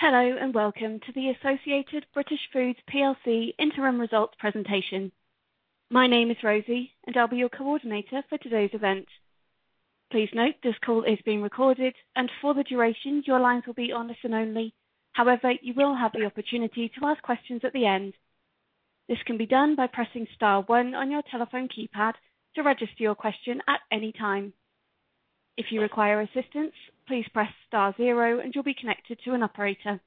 Hello, and welcome to the Associated British Foods plc interim results presentation. My name is Rosie and I'll be your coordinator for today's event. Please note this call is being recorded, and for the duration, your lines will be on listen only. However, you will have the opportunity to ask questions at the end. This can be done by pressing star one on your telephone keypad to register your question at any time. If you require assistance, please press star zero and you'll be connected to an operator.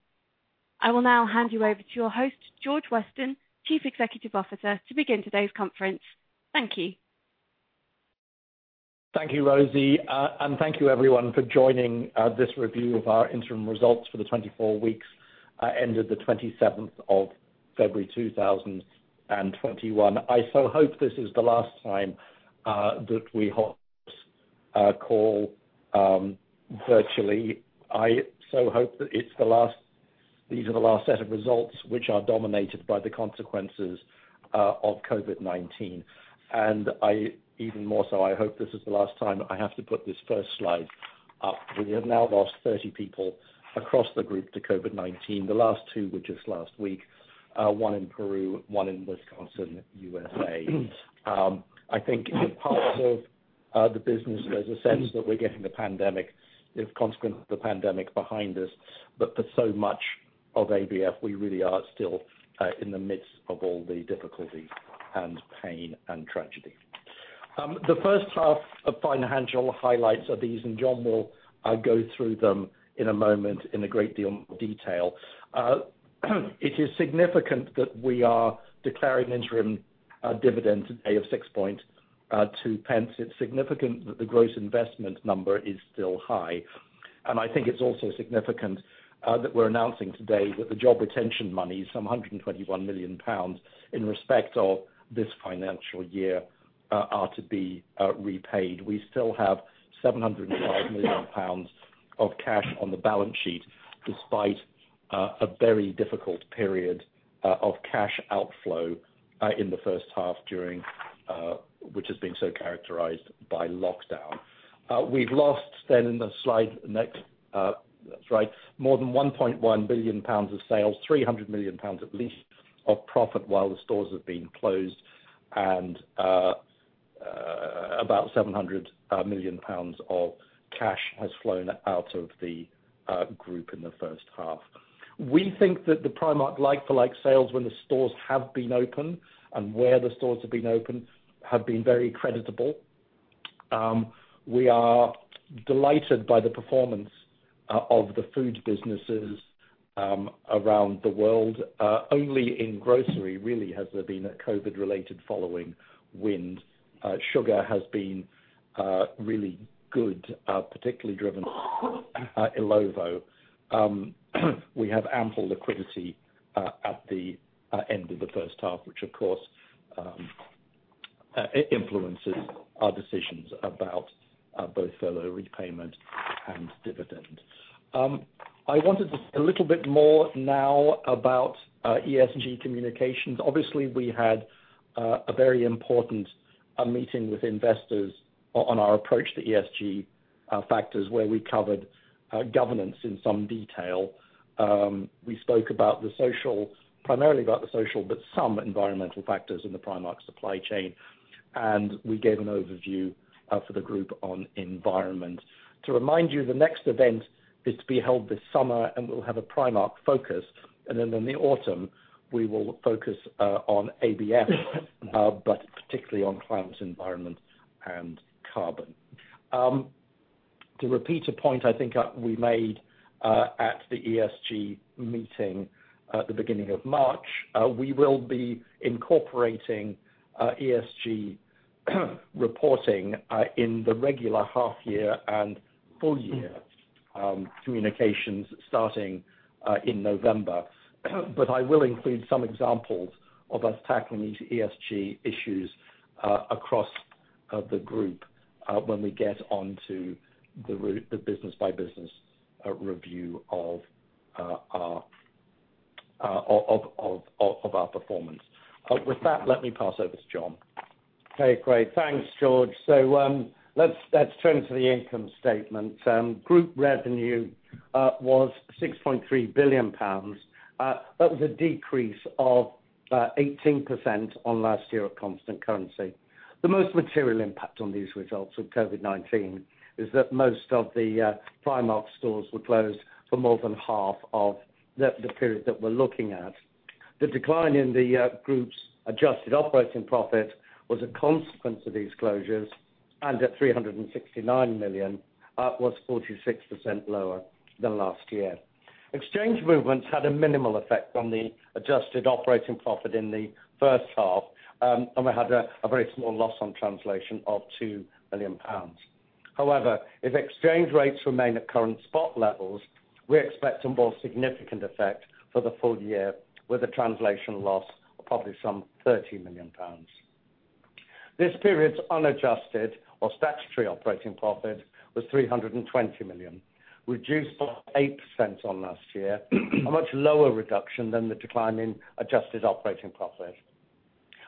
I will now hand you over to your host, George Weston, Chief Executive Officer, to begin today's conference. Thank you. Thank you, Rosie. Thank you everyone for joining this review of our interim results for the 24 weeks ended the 27th of February 2021. I so hope this is the last time that we host a call virtually. I so hope that these are the last set of results which are dominated by the consequences of COVID-19. Even more so, I hope this is the last time I have to put this first slide up. We have now lost 30 people across the group to COVID-19. The last two were just last week, one in Peru, one in Wisconsin, U.S.A. I think in parts of the business, there's a sense that we're getting the consequence of the pandemic behind us. For so much of ABF, we really are still in the midst of all the difficulty and pain and tragedy. The first half of financial highlights are these. John will go through them in a moment in a great deal more detail. It is significant that we are declaring interim dividends today of 0.062. It's significant that the gross investment number is still high. I think it's also significant that we're announcing today that the job retention money, some 121 million pounds, in respect of this financial year, are to be repaid. We still have 705 million pounds of cash on the balance sheet, despite a very difficult period of cash outflow in the first half, which has been so characterized by lockdown. We've lost more than 1.1 billion pounds of sales, 300 million pounds, at least, of profit while the stores have been closed. About 700 million pounds of cash has flown out of the group in the first half. We think that the Primark like-for-like sales, when the stores have been open and where the stores have been open, have been very creditable. We are delighted by the performance of the food businesses around the world. Only in grocery, really, has there been a COVID-related following wind. Sugar has been really good, particularly driven Illovo. We have ample liquidity at the end of the first half, which of course influences our decisions about both furlough repayment and dividend. I wanted to say a little bit more now about ESG communications. Obviously, we had a very important meeting with investors on our approach to ESG factors where we covered governance in some detail. We spoke primarily about the social, but some environmental factors in the Primark supply chain. We gave an overview for the group on environment. To remind you, the next event is to be held this summer, and we'll have a Primark focus. Then in the autumn, we will focus on ABF, but particularly on climate, environment, and carbon. To repeat a point I think we made at the ESG meeting at the beginning of March, we will be incorporating ESG reporting in the regular half year and full year communications starting in November. I will include some examples of us tackling these ESG issues across the group when we get onto the business by business review of our performance. With that, let me pass over to John. Okay, great. Thanks, George. Let's turn to the income statement. Group revenue was 6.3 billion pounds. That was a decrease of 18% on last year at constant currency. The most material impact on these results with COVID-19 is that most of the Primark stores were closed for more than half of the period that we're looking at. The decline in the group's adjusted operating profit was a consequence of these closures, and at 369 million, was 46% lower than last year. Exchange movements had a minimal effect on the adjusted operating profit in the first half, and we had a very small loss on translation of 2 million pounds. However, if exchange rates remain at current spot levels, we expect a more significant effect for the full year with a translation loss of probably some 30 million pounds. This period's unadjusted or statutory operating profit was 320 million, reduced by 8% on last year, a much lower reduction than the decline in adjusted operating profit.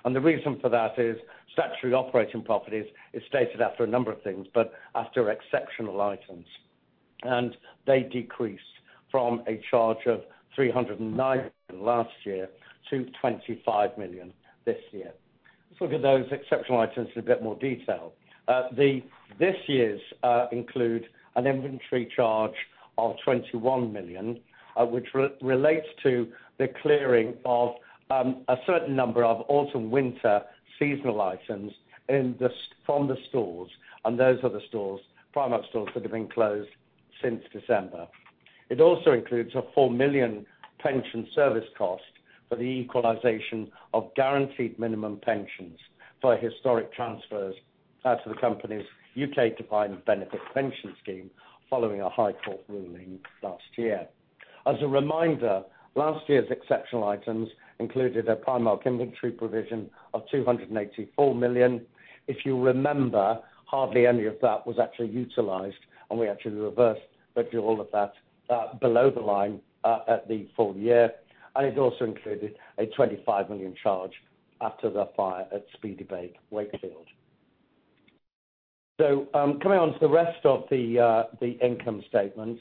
The reason for that is statutory operating profits is stated after a number of things, but after exceptional items. They decreased from a charge of 390 million last year to 25 million this year. Let's look at those exceptional items in a bit more detail. This year's include an inventory charge of 21 million, which relates to the clearing of a certain number of autumn/winter seasonal items from the stores, and those are the Primark stores that have been closed since December. It also includes a 4 million pension service cost for the equalization of guaranteed minimum pensions for historic transfers out of the company's U.K. defined benefit pension scheme following a High Court ruling last year. As a reminder, last year's exceptional items included a Primark inventory provision of 284 million. If you remember, hardly any of that was actually utilized, and we actually reversed virtually all of that below the line at the full year. It also included a 25 million charge after the fire at Speedibake, Wakefield. Coming on to the rest of the income statement.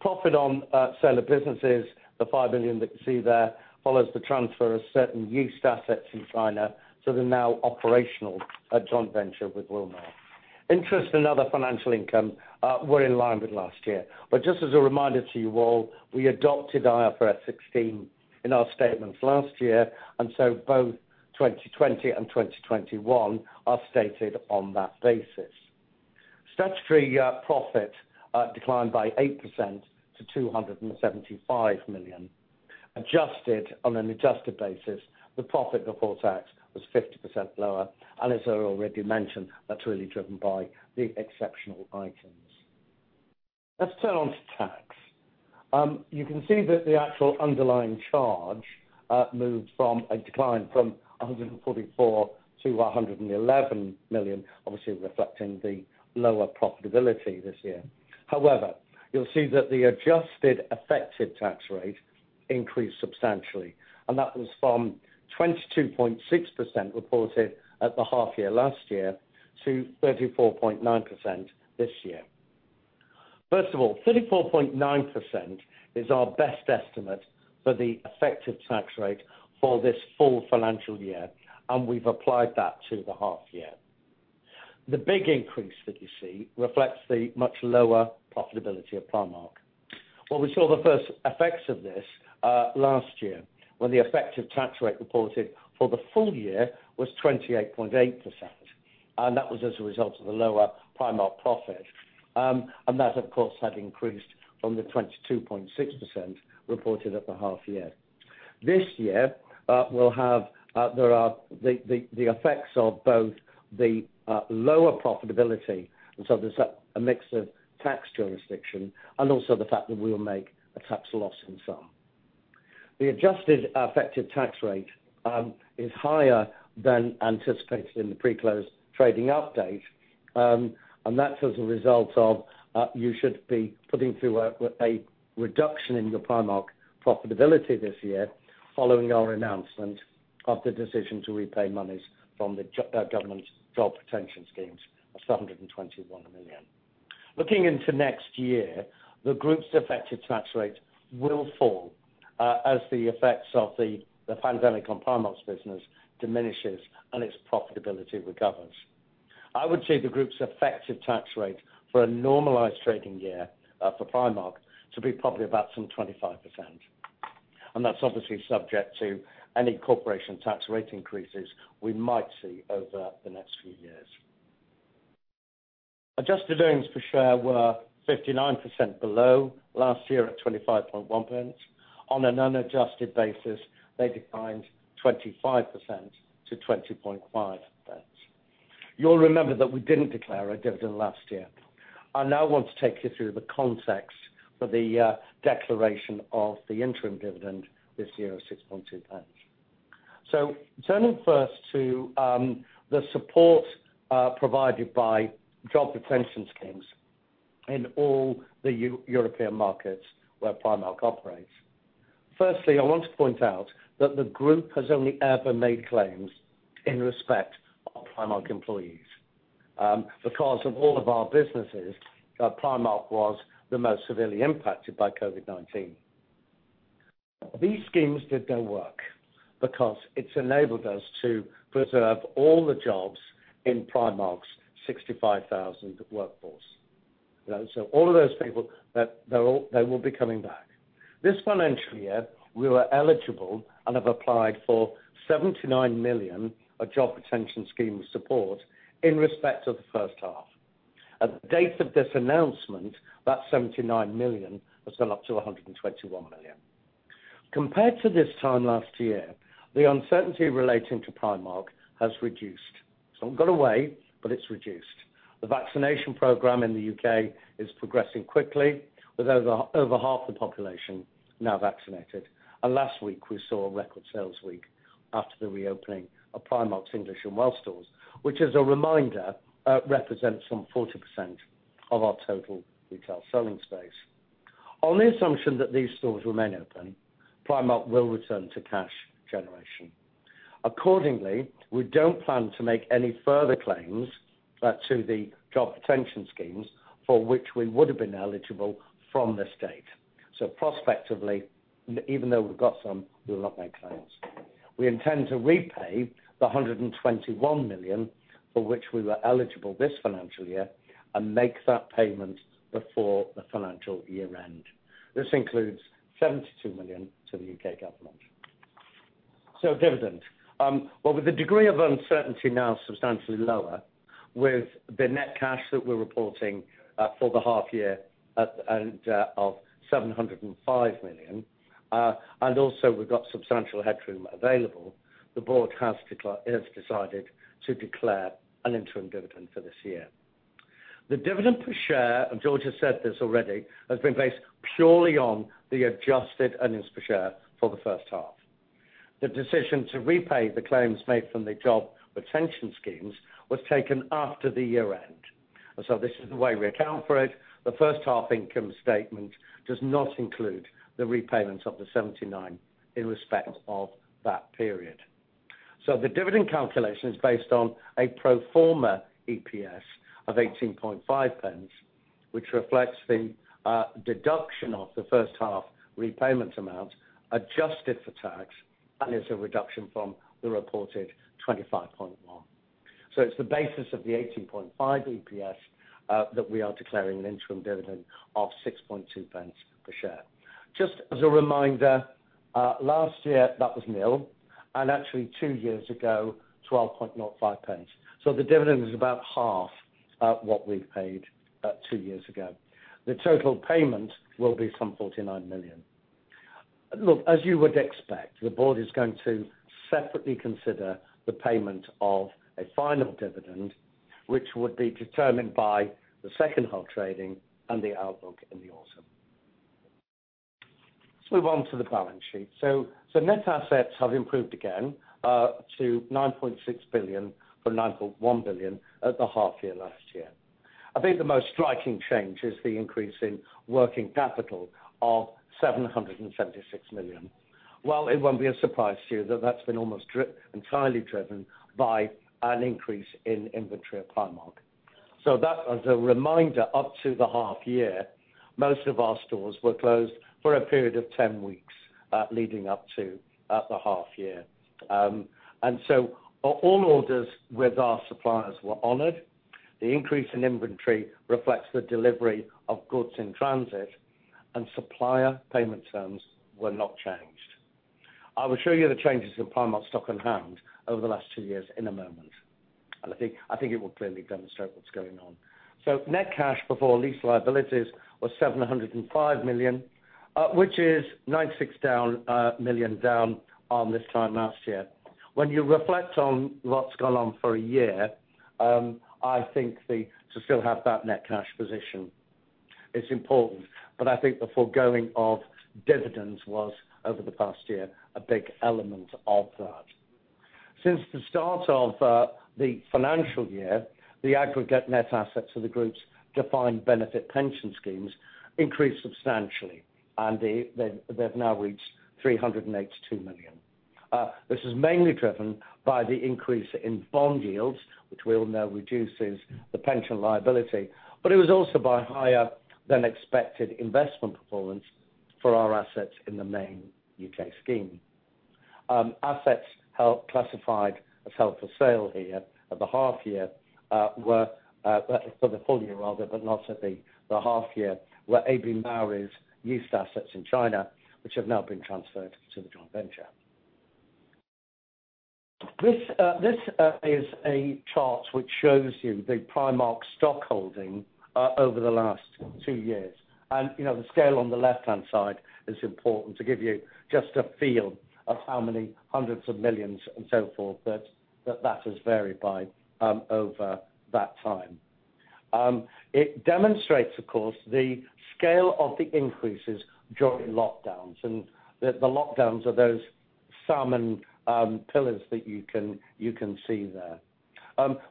Profit on sale of businesses, the 5 million that you see there, follows the transfer of certain used assets in China to the now operational joint venture with Wilmar. Interest and other financial income were in line with last year. Just as a reminder to you all, we adopted IFRS 16 in our statements last year, and so both 2020 and 2021 are stated on that basis. Statutory profit declined by 8% to 275 million. On an adjusted basis, the profit before tax was 50% lower. As I already mentioned, that's really driven by the exceptional items. Let's turn on to tax. You can see that the actual underlying charge moved from a decline from 144 million-111 million, obviously reflecting the lower profitability this year. You'll see that the adjusted effective tax rate increased substantially, and that was from 22.6% reported at the half year last year to 34.9% this year. First of all, 34.9% is our best estimate for the effective tax rate for this full financial year, and we've applied that to the half year. The big increase that you see reflects the much lower profitability of Primark. Well, we saw the first effects of this last year when the effective tax rate reported for the full year was 28.8%. That was as a result of the lower Primark profit. That, of course, had increased from the 22.6% reported at the half year. This year, there are the effects of both the lower profitability, and so there's a mix of tax jurisdiction and also the fact that we will make a tax loss in sum. The adjusted effective tax rate is higher than anticipated in the pre-closed trading update. That's as a result of you should be putting through a reduction in your Primark profitability this year following our announcement of the decision to repay monies from the government job retention schemes of 121 million. Looking into next year, the group's effective tax rate will fall as the effects of the pandemic on Primark's business diminishes and its profitability recovers. I would say the group's effective tax rate for a normalized trading year for Primark to be probably about 25%. That's obviously subject to any corporation tax rate increases we might see over the next few years. Adjusted earnings per share were 59% below last year at 0.251. On an unadjusted basis, they declined 25% to 0.205. You'll remember that we didn't declare a dividend last year. I now want to take you through the context for the declaration of the interim dividend this year of 0.062. Turning first to the support provided by job retention schemes in all the European markets where Primark operates. I want to point out that the group has only ever made claims in respect of Primark employees. Of all of our businesses, Primark was the most severely impacted by COVID-19. These schemes did their work because it's enabled us to preserve all the jobs in Primark's 65,000 workforce. All of those people, they will be coming back. This financial year, we were eligible and have applied for 79 million of job retention scheme support in respect of the first half. At the date of this announcement, that 79 million has gone up to 121 million. Compared to this time last year, the uncertainty relating to Primark has reduced. It's not gone away, it's reduced. The vaccination program in the U.K. is progressing quickly, with over half the population now vaccinated. Last week we saw a record sales week after the reopening of Primark's English and Welsh stores, which as a reminder, represents some 40% of our total retail selling space. On the assumption that these stores remain open, Primark will return to cash generation. Accordingly, we don't plan to make any further claims back to the job retention schemes for which we would have been eligible from this date. Prospectively, even though we've got some, we will not make claims. We intend to repay the 121 million for which we were eligible this financial year and make that payment before the financial year end. This includes 72 million to the U.K. government. Dividend. With the degree of uncertainty now substantially lower, with the net cash that we're reporting for the half year of 705 million, and also we’ve got substantial headroom available, the board has decided to declare an interim dividend for this year. The dividend per share, and George has said this already, has been based purely on the adjusted EPS for the first half. The decision to repay the claims made from the job retention schemes was taken after the year end. This is the way we account for it. The first half income statement does not include the repayments of 79 million in respect of that period. The dividend calculation is based on a pro forma EPS of 0.185, which reflects the deduction of the first half repayment amount, adjusted for tax, and is a reduction from the reported 0.251. It's the basis of the 18.5 EPS that we are declaring an interim dividend of 0.062 per share. Just as a reminder, last year that was nil, and actually two years ago, 0.1205 pounds. The dividend is about half what we paid two years ago. The total payment will be some 49 million. Look, as you would expect, the board is going to separately consider the payment of a final dividend, which would be determined by the second half trading and the outlook in the autumn. Let's move on to the balance sheet. Net assets have improved again to 9.6 billion from 9.1 billion at the half year last year. I think the most striking change is the increase in working capital of 776 million. Well, it won't be a surprise to you that that's been almost entirely driven by an increase in inventory at Primark. That, as a reminder, up to the half year, most of our stores were closed for a period of 10 weeks leading up to the half year. All orders with our suppliers were honored. The increase in inventory reflects the delivery of goods in transit, and supplier payment terms were not changed. I will show you the changes in Primark stock on hand over the last two years in a moment. I think it will clearly demonstrate what's going on. Net cash before lease liabilities was 705 million, which is 96 million down on this time last year. When you reflect on what's gone on for a year, I think to still have that net cash position, it's important. I think the foregoing of dividends was, over the past year, a big element of that. Since the start of the financial year, the aggregate net assets of the group's defined benefit pension schemes increased substantially, and they've now reached 382 million. This is mainly driven by the increase in bond yields, which we all know reduces the pension liability, but it was also by higher-than-expected investment performance for our assets in the main U.K. scheme. Assets held classified as held for sale here at the half year were for the full year rather, but not at the half year, were AB Mauri's yeast assets in China, which have now been transferred to the joint venture. This is a chart which shows you the Primark stock holding over the last two years. The scale on the left-hand side is important to give you just a feel of how many hundreds of millions and so forth that that has varied by over that time. It demonstrates, of course, the scale of the increases during lockdowns, and the lockdowns are those salmon pillars that you can see there.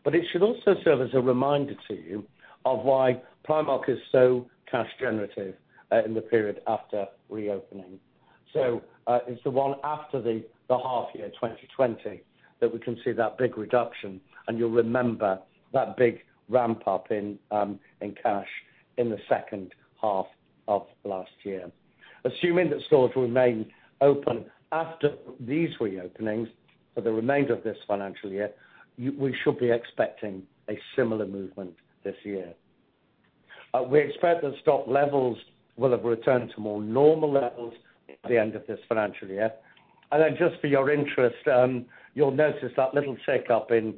It should also serve as a reminder to you of why Primark is so cash generative in the period after reopening. It's the one after the half year 2020 that we can see that big reduction, and you'll remember that big ramp-up in cash in the second half of last year. Assuming that stores remain open after these reopenings for the remainder of this financial year, we should be expecting a similar movement this year. We expect that stock levels will have returned to more normal levels at the end of this financial year. Just for your interest, you'll notice that little tick up in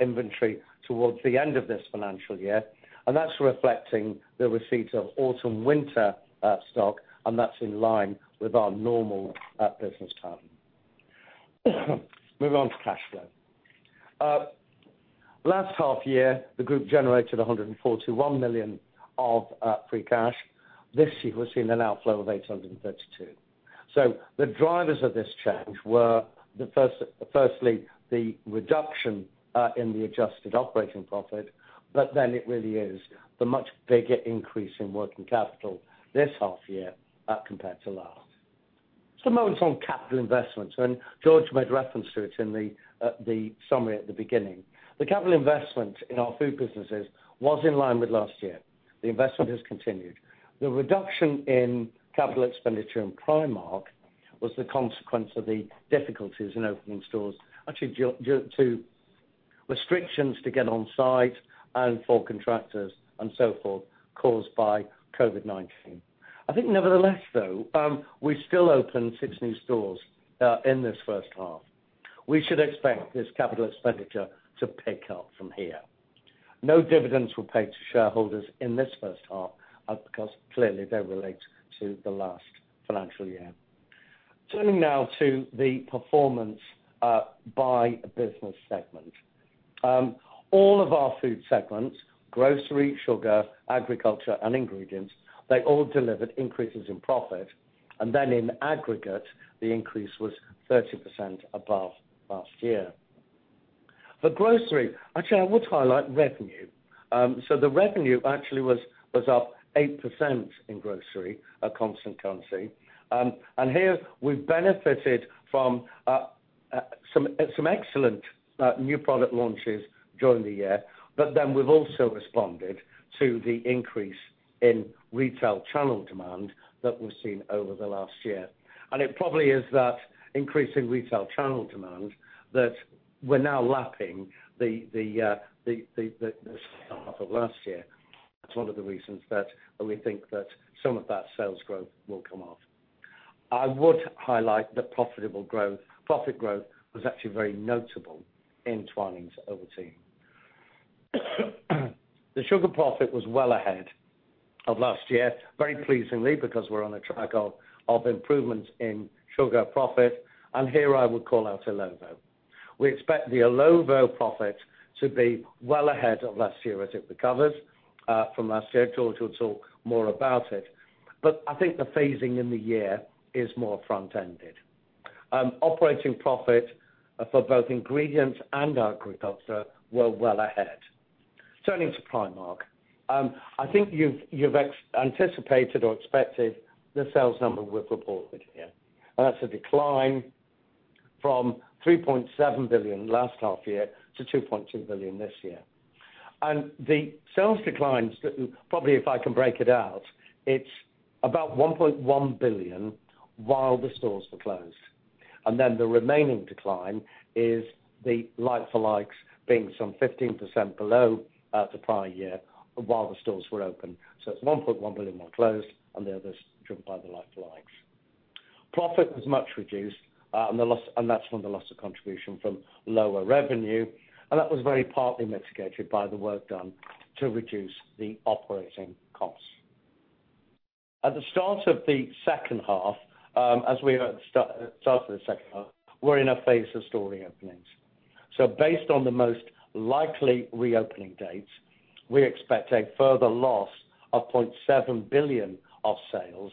inventory towards the end of this financial year, and that's reflecting the receipt of autumn/winter stock, and that's in line with our normal business pattern. Moving on to cash flow. Last half year, the group generated 141 million of free cash. This year, we've seen an outflow of 832 million. The drivers of this change were firstly, the reduction in the adjusted operating profit, but then it really is the much bigger increase in working capital this half-year compared to last. Just a moment on capital investments, and George made reference to it in the summary at the beginning. The capital investment in our food businesses was in line with last year. The investment has continued. The reduction in capital expenditure in Primark was the consequence of the difficulties in opening stores, actually due to restrictions to get on site and for contractors and so forth, caused by COVID-19. I think nevertheless, though, we still opened six new stores in this first half. We should expect this capital expenditure to pick up from here. No dividends were paid to shareholders in this first half, because clearly they relate to the last financial year. Turning now to the performance by business segment. All of our food segments, Grocery, Sugar, Agriculture, and Ingredients, they all delivered increases in profit, and then in aggregate, the increase was 30% above last year. For Grocery, actually, I would highlight revenue. The revenue actually was up 8% in Grocery at constant currency. Here we've benefited from some excellent new product launches during the year. We've also responded to the increase in retail channel demand that we've seen over the last year. It probably is that increasing retail channel demand that we're now lapping the start of last year. That's one of the reasons that we think that some of that sales growth will come off. I would highlight the profit growth was actually very notable in Twinings Ovaltine. The sugar profit was well ahead of last year. Very pleasingly, because we're on a track of improvements in sugar profit. Here I would call out Illovo. We expect the Illovo profit to be well ahead of last year as it recovers from last year. George will talk more about it. I think the phasing in the year is more front-ended. Operating profit for both Ingredients and Agriculture were well ahead. Turning to Primark. I think you've anticipated or expected the sales number we've reported here. That's a decline from 3.7 billion last half year to 2.2 billion this year. The sales declines, probably if I can break it out, it's about 1.1 billion while the stores were closed. The remaining decline is the like-for-likes being some 15% below the prior year while the stores were open. It's 1.1 billion while closed and the others driven by the like-for-likes. Profit was much reduced, that's from the loss of contribution from lower revenue, and that was very partly mitigated by the work done to reduce the operating costs. At the start of the second half, we're in a phase of store reopenings. Based on the most likely reopening dates, we expect a further loss of 0.7 billion of sales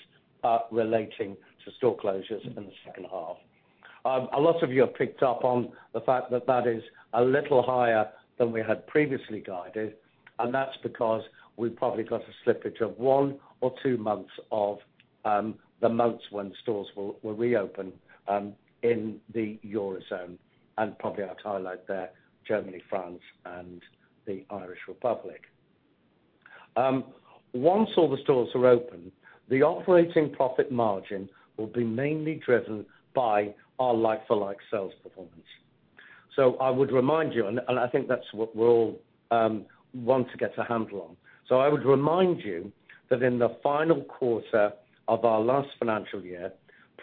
relating to store closures in the second half. A lot of you have picked up on the fact that that is a little higher than we had previously guided, and that's because we've probably got a slippage of one or two months of the months when stores will reopen in the Eurozone, and probably I'd highlight there Germany, France, and the Irish Republic. Once all the stores are open, the operating profit margin will be mainly driven by our like-for-like sales performance. I would remind you, and I think that's what we'll want to get a handle on. I would remind you that in the final quarter of our last financial year,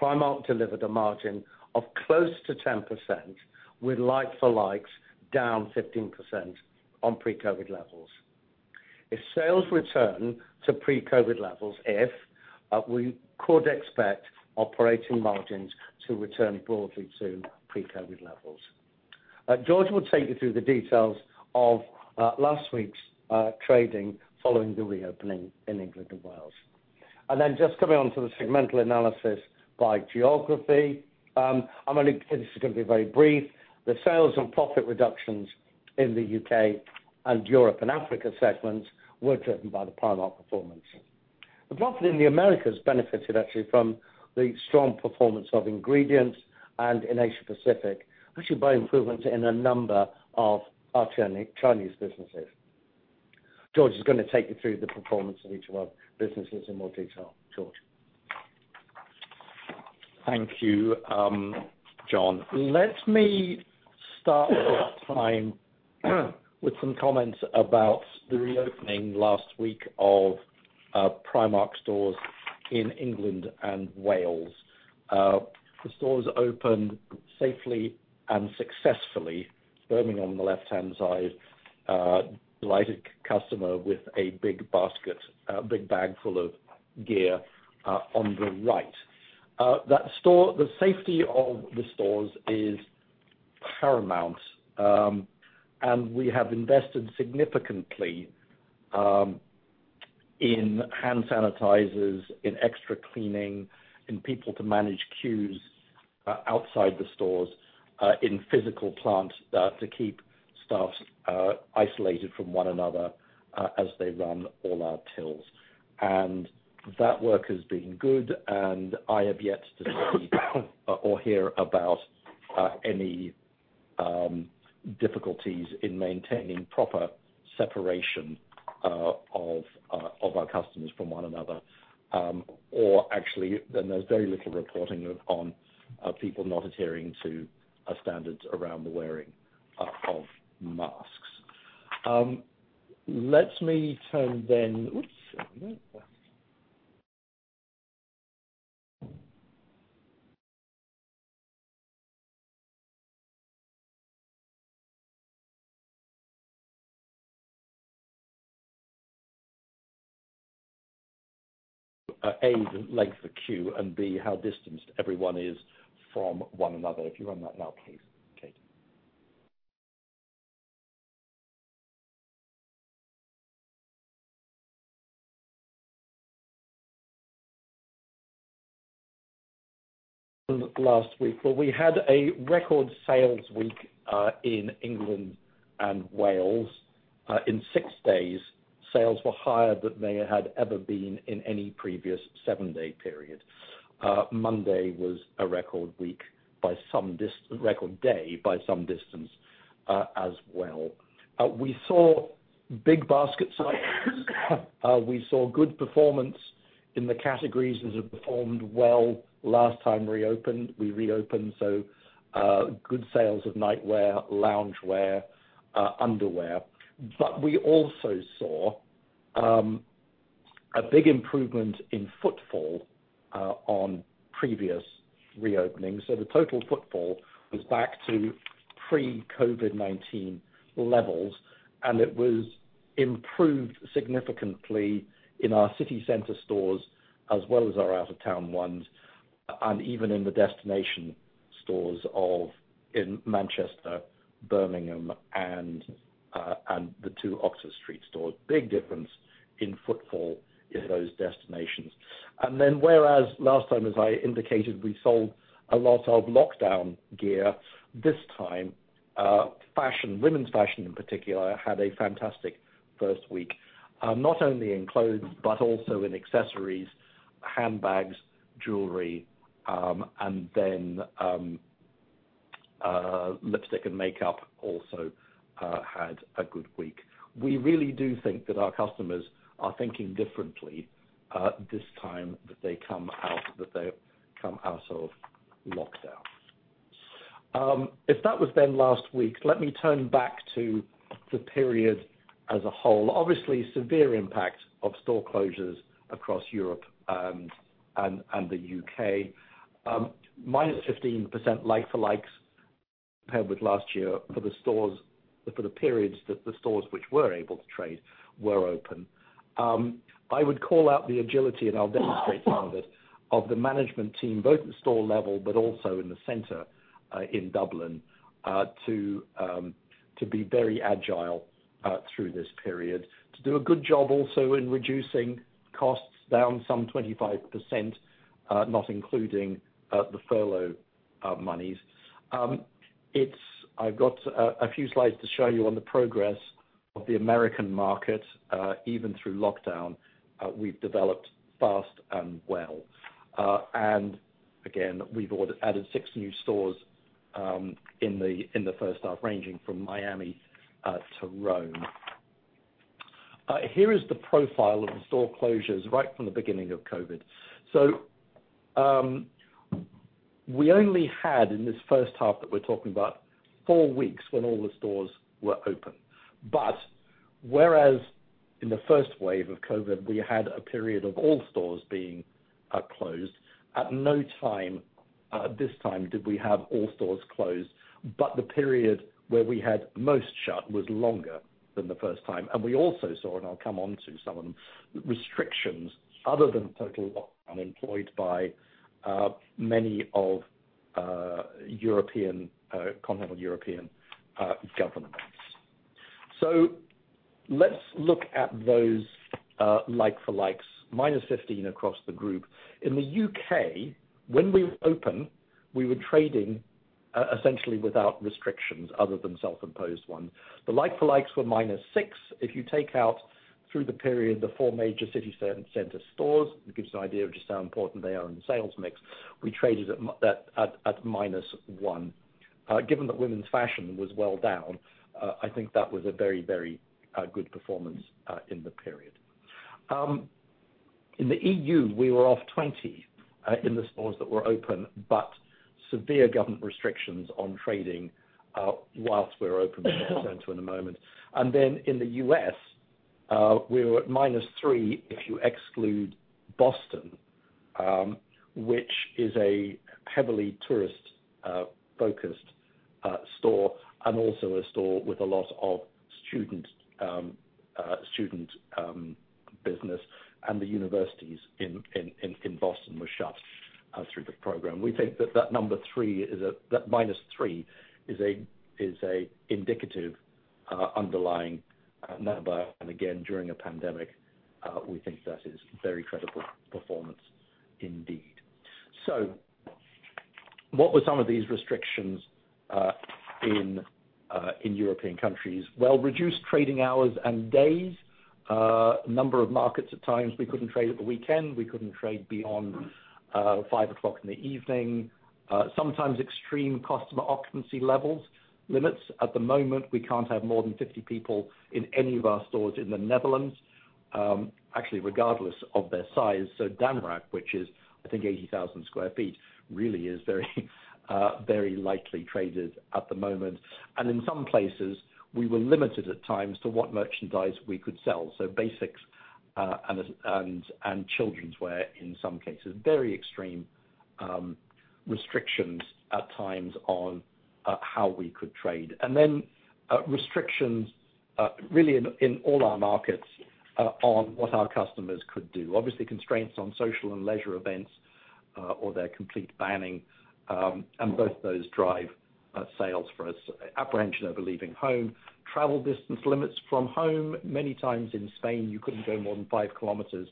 Primark delivered a margin of close to 10% with like-for-likes down 15% on pre-COVID levels. If sales return to pre-COVID levels, if, we could expect operating margins to return broadly to pre-COVID levels. George will take you through the details of last week's trading following the reopening in England and Wales. Just coming onto the segmental analysis by geography. This is going to be very brief. The sales and profit reductions in the U.K. and Europe and Africa segments were driven by the Primark performance. The profit in the Americas benefited actually from the strong performance of Ingredients and in Asia Pacific, actually by improvements in a number of our Chinese businesses. George is going to take you through the performance of each of our businesses in more detail. George? Thank you, John. Let me start this time with some comments about the reopening last week of Primark stores in England and Wales. The stores opened safely and successfully. Birmingham on the left-hand side, delighted customer with a big basket, big bag full of gear on the right. The safety of the stores is paramount. We have invested significantly in hand sanitizers, in extra cleaning, in people to manage queues outside the stores, in physical plant to keep staff isolated from one another as they run all our tills. That work has been good, and I have yet to see or hear about any difficulties in maintaining proper separation of our customers from one another. Actually, there's very little reporting on people not adhering to our standards around the wearing of masks. Let me turn then. Oops, a minute. A, the length of queue, and B, how distanced everyone is from one another. If you run that now, please, Katie. Last week. Well, we had a record sales week in England and Wales. In six days, sales were higher than they had ever been in any previous seven-day period. Monday was a record day by some distance as well. We saw big basket size. We saw good performance in the categories that have performed well last time we reopened. Good sales of nightwear, loungewear, underwear. We also saw a big improvement in footfall on previous reopenings. The total footfall was back to pre-COVID-19 levels, and it was improved significantly in our city center stores as well as our out-of-town ones, and even in the destination stores in Manchester, Birmingham, and the two Oxford Street stores. Big difference in footfall in those destinations. Whereas last time, as I indicated, we sold a lot of lockdown gear, this time women's fashion, in particular, had a fantastic first week, not only in clothes but also in accessories, handbags, jewelry, and then lipstick and makeup also had a good week. We really do think that our customers are thinking differently this time that they come out of lockdown. If that was then last week, let me turn back to the period as a whole. Obviously, severe impact of store closures across Europe and the U.K. -15% like-for-likes compared with last year for the periods that the stores which were able to trade were open. I would call out the agility, and I'll demonstrate some of it, of the management team, both at the store level, but also in the center in Dublin, to be very agile through this period. To do a good job also in reducing costs down some 25%, not including the furlough monies. I've got a few slides to show you on the progress of the U.S. market. Even through lockdown, we've developed fast and well. Again, we've added six new stores in the first half, ranging from Miami to Rome. Here is the profile of the store closures right from the beginning of COVID-19. We only had in this first half that we're talking about, four weeks when all the stores were open. Whereas in the first wave of COVID-19, we had a period of all stores being closed, at no time, this time, did we have all stores closed, but the period where we had most shut was longer than the first time. We also saw, and I'll come onto some of them, restrictions other than total lockdown employed by many of continental European governments. Let's look at those like-for-likes, -15% across the group. In the U.K., when we were open, we were trading essentially without restrictions other than self-imposed ones. The like-for-likes were -6%. You take out through the period the four major city center stores, it gives you an idea of just how important they are in the sales mix. We traded at -1%. That women's fashion was well down, I think that was a very good performance in the period. In the EU, we were off 20% in the stores that were open, but severe government restrictions on trading whilst we're open, which I'll turn to in a moment. In the U.S., we were at -3% if you exclude Boston, which is a heavily tourist-focused store and also a store with a lot of student business and the universities in Boston were shut through the program. We think that -3% is an indicative underlying number. Again, during a pandemic, we think that is very credible performance indeed. What were some of these restrictions in European countries? Reduced trading hours and days. A number of markets at times, we couldn't trade at the weekend. We couldn't trade beyond 5:00 in the evening. Sometimes extreme customer occupancy levels limits. At the moment, we can't have more than 50 people in any of our stores in the Netherlands, actually, regardless of their size. Damrak, which is I think 80,000 sq ft, really is very lightly traded at the moment. In some places, we were limited at times to what merchandise we could sell. Basics and children's wear in some cases. Very extreme restrictions at times on how we could trade. Restrictions really in all our markets on what our customers could do. Obviously, constraints on social and leisure events or their complete banning, and both of those drive sales for us. Apprehension over leaving home, travel distance limits from home. Many times in Spain, you couldn't go more than 5 km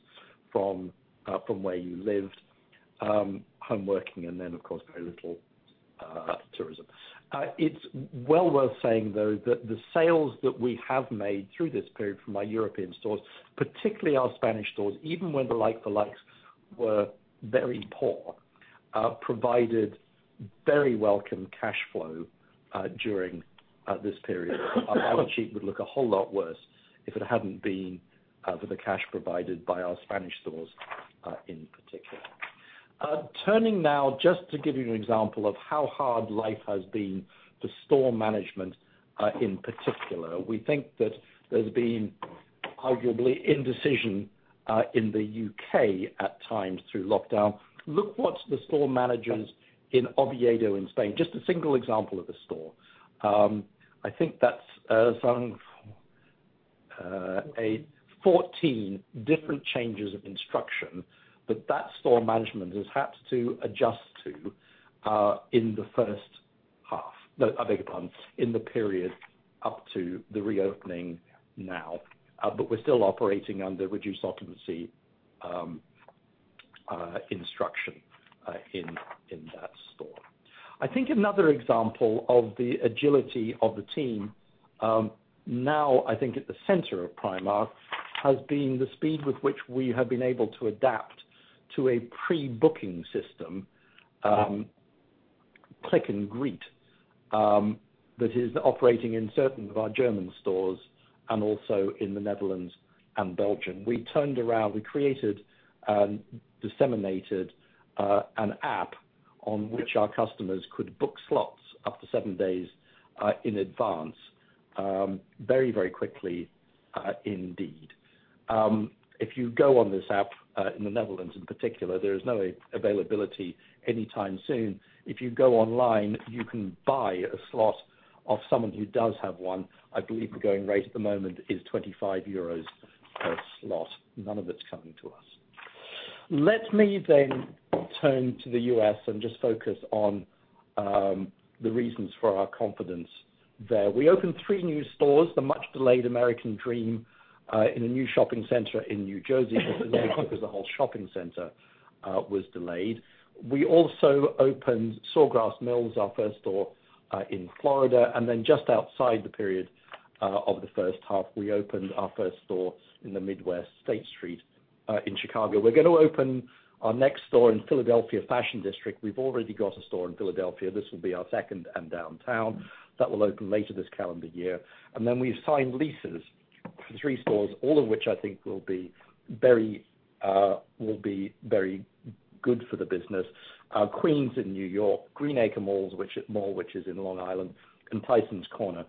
from where you lived. Home working and then, of course, very little tourism. It's well worth saying, though, that the sales that we have made through this period from our European stores, particularly our Spanish stores, even when the like-for-likes were very poor, provided very welcome cash flow during this period. Our sheet would look a whole lot worse if it hadn't been for the cash provided by our Spanish stores in particular. Turning now just to give you an example of how hard life has been for store management in particular. We think that there's been arguably indecision in the U.K. at times through lockdown. Look what the store managers in Oviedo in Spain, just a single example of a store. I think that's some 14 different changes of instruction that that store management has had to adjust to in the first half, No, I beg your pardon, in the period up to the reopening now. We're still operating under reduced occupancy instruction in that store. I think another example of the agility of the team now at the center of Primark, has been the speed with which we have been able to adapt to a pre-booking system, click and greet, that is operating in certain of our German stores and also in the Netherlands and Belgium. We turned around, we created and disseminated an app on which our customers could book slots up to seven days in advance very, very quickly indeed. If you go on this app, in the Netherlands in particular, there is no availability anytime soon. If you go online, you can buy a slot off someone who does have one. I believe the going rate at the moment is 25 euros per slot. None of it's coming to us. Let me turn to the U.S. and just focus on the reasons for our confidence there. We opened three new stores, the much-delayed American Dream, in a new shopping center in New Jersey, which was delayed because the whole shopping center was delayed. We also opened Sawgrass Mills, our first store in Florida. Just outside the period of the first half, we opened our first store in the Midwest State Street in Chicago. We're going to open our next store in Philadelphia Fashion District. We've already got a store in Philadelphia. This will be our second and downtown. That will open later this calendar year. We've signed leases for three stores, all of which I think will be very good for the business. Queens in New York, Green Acres Mall, which is in Long Island, and Tysons Corner,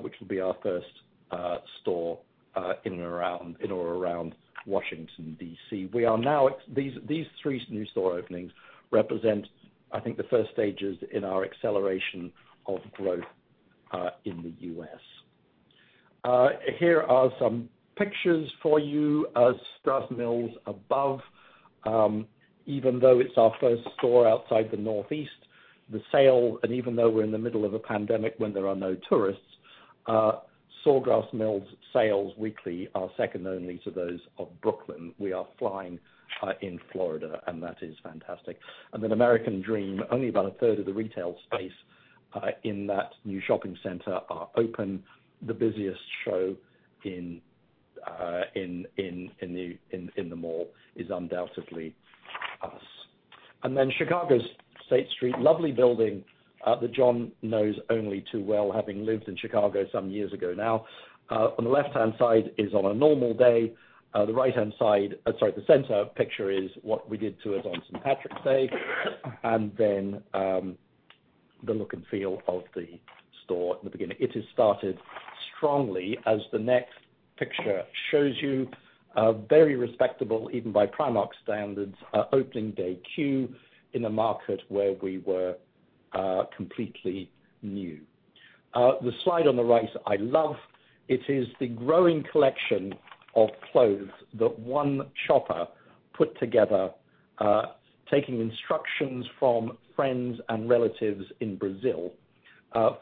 which will be our first store in or around Washington, D.C. These three new store openings represent, I think, the first stages in our acceleration of growth in the U.S. Here are some pictures for you of Sawgrass Mills above. Even though it's our first store outside the Northeast, the sale, and even though we're in the middle of a pandemic when there are no tourists, Sawgrass Mills sales weekly are second only to those of Brooklyn. That is fantastic. American Dream, only about a third of the retail space in that new shopping center are open. The busiest show in the mall is undoubtedly us. Chicago's State Street, lovely building that John knows only too well, having lived in Chicago some years ago now. On the left-hand side is on a normal day. Sorry, the center picture is what we did to it on St. Patrick's Day, and then the look and feel of the store at the beginning. It has started strongly as the next picture shows you a very respectable, even by Primark's standards, opening day queue in a market where we were completely new. The slide on the right, I love. It is the growing collection of clothes that one shopper put together, taking instructions from friends and relatives in Brazil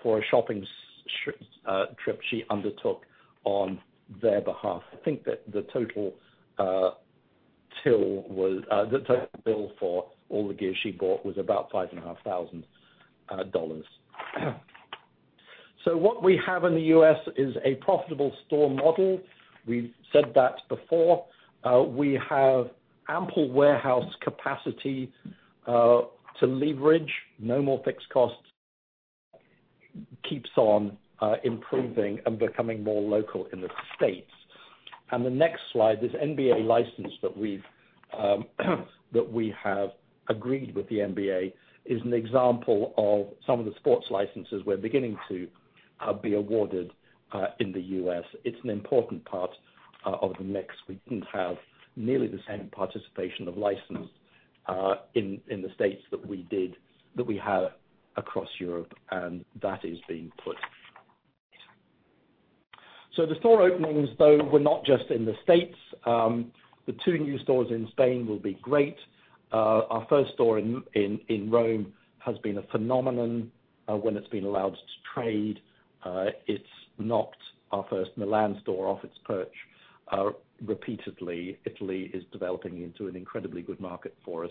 for a shopping trip she undertook on their behalf. I think that the total bill for all the gear she bought was about $5,500. What we have in the U.S. is a profitable store model. We've said that before. We have ample warehouse capacity to leverage no more fixed costs. Keeps on improving and becoming more local in the U.S. The next slide, this NBA license that we have agreed with the NBA is an example of some of the sports licenses we're beginning to be awarded in the U.S. It's an important part of the mix. We didn't have nearly the same participation of license in the U.S. that we have across Europe, and that is being put. The store openings, though, were not just in the U.S. The two new stores in Spain will be great. Our first store in Rome has been a phenomenon when it's been allowed to trade. It's knocked our first Milan store off its perch repeatedly. Italy is developing into an incredibly good market for us.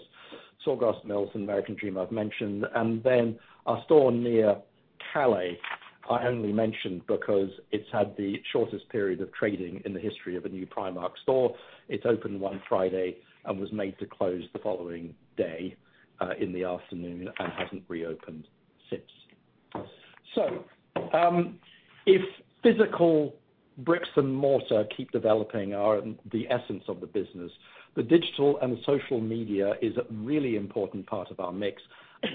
Sawgrass Mills and American Dream I've mentioned, and then our store near Calais I only mention because it's had the shortest period of trading in the history of a new Primark store. It opened one Friday and was made to close the following day in the afternoon and hasn't reopened since. If physical bricks and mortar keep developing are the essence of the business, the digital and social media is a really important part of our mix.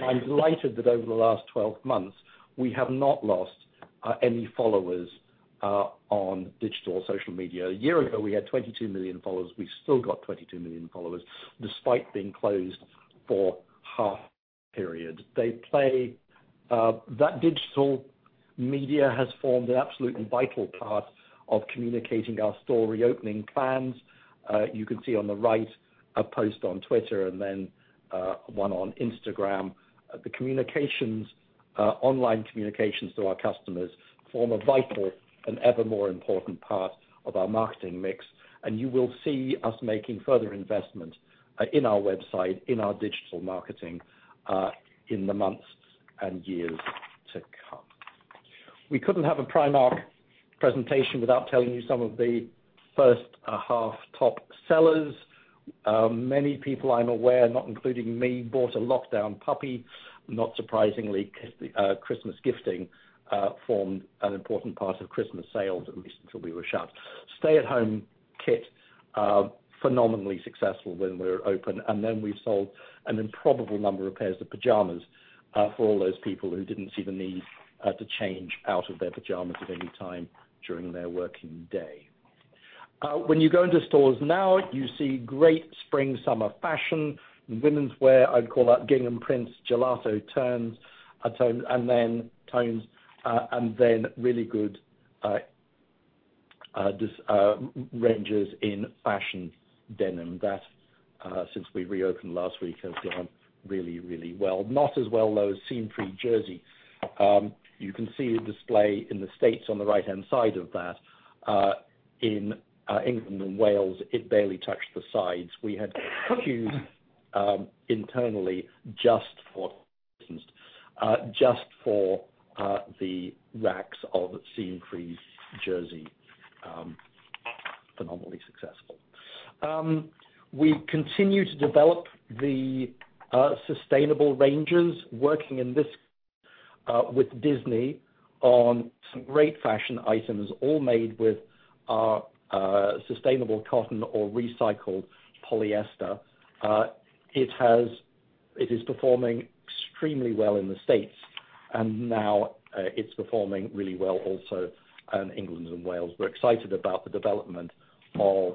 I'm delighted that over the last 12 months, we have not lost any followers on digital or social media. A year ago, we had 22 million followers. We've still got 22 million followers despite being closed for half a period. That digital media has formed an absolutely vital part of communicating our store reopening plans. You can see on the right a post on Twitter and then one on Instagram. The online communications to our customers form a vital and ever more important part of our marketing mix, and you will see us making further investment in our website, in our digital marketing, in the months and years to come. We couldn't have a Primark presentation without telling you some of the first half top sellers. Many people I'm aware, not including me, bought a lockdown puppy. Not surprisingly, Christmas gifting formed an important part of Christmas sales, at least until we were shut. Stay-at-home kit, phenomenally successful when we were open, and then we sold an improbable number of pairs of pajamas for all those people who didn't see the need to change out of their pajamas at any time during their working day. When you go into stores now, you see great spring/summer fashion. In womenswear, I'd call that gingham prints, gelato tones, really good ranges in fashion denim that since we reopened last week has gone really, really well. Not as well, though, as seam-free jersey. You can see a display in the U.S. on the right-hand side of that. In England and Wales, it barely touched the sides. We had to choose internally just for the racks of seam-free jersey. Phenomenally successful. We continue to develop the sustainable ranges, working with Disney on some great fashion items, all made with sustainable cotton or recycled polyester. It is performing extremely well in the U.S., now it's performing really well also in England and Wales. We're excited about the development of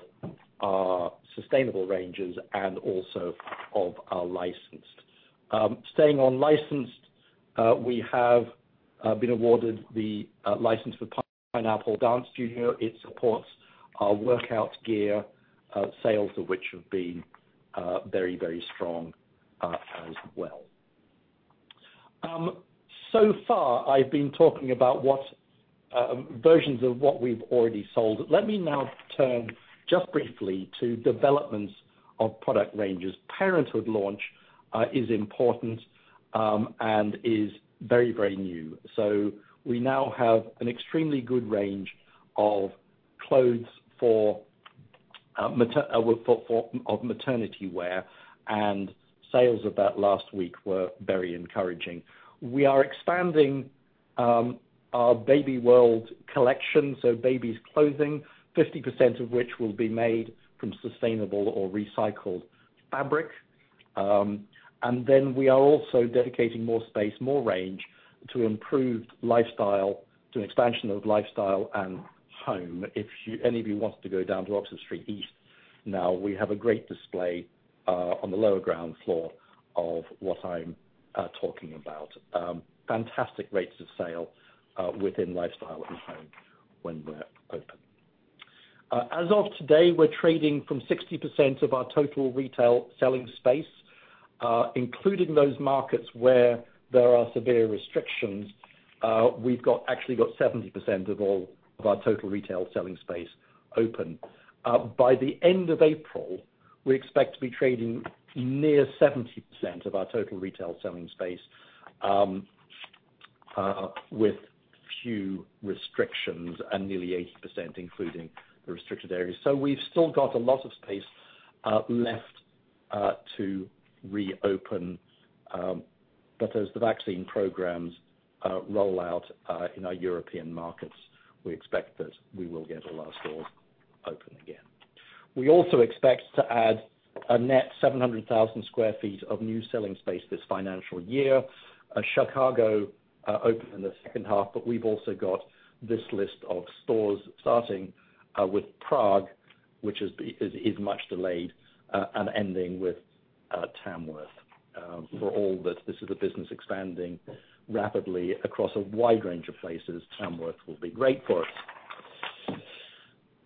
our sustainable ranges and also of our licensed. Staying on licensed, we have been awarded the license for Pineapple Dance Studios. It supports our workout gear, sales of which have been very strong as well. So far, I've been talking about versions of what we've already sold. Let me now turn just briefly to developments of product ranges. Parenthood launch is important and is very, very new. We now have an extremely good range of maternity wear, and sales of that last week were very encouraging. We are expanding our Baby World collection, so babies clothing, 50% of which will be made from sustainable or recycled fabric. Then we are also dedicating more space, more range to an expansion of lifestyle and home. If any of you wants to go down to Oxford Street East. Now we have a great display on the lower ground floor of what I'm talking about. Fantastic rates of sale within Lifestyle at home when we're open. As of today, we're trading from 60% of our total retail selling space including those markets where there are severe restrictions, we've actually got 70% of our total retail selling space open. By the end of April, we expect to be trading near 70% of our total retail selling space with few restrictions and nearly 80% including the restricted areas. We've still got a lot of space left to reopen. As the vaccine programs roll out in our European markets, we expect that we will get all our stores open again. We also expect to add a net 700,000 sq ft of new selling space this financial year. Chicago open in the second half, we've also got this list of stores starting with Prague, which is much delayed, and ending with Tamworth. For all that this is a business expanding rapidly across a wide range of places, Tamworth will be great for us.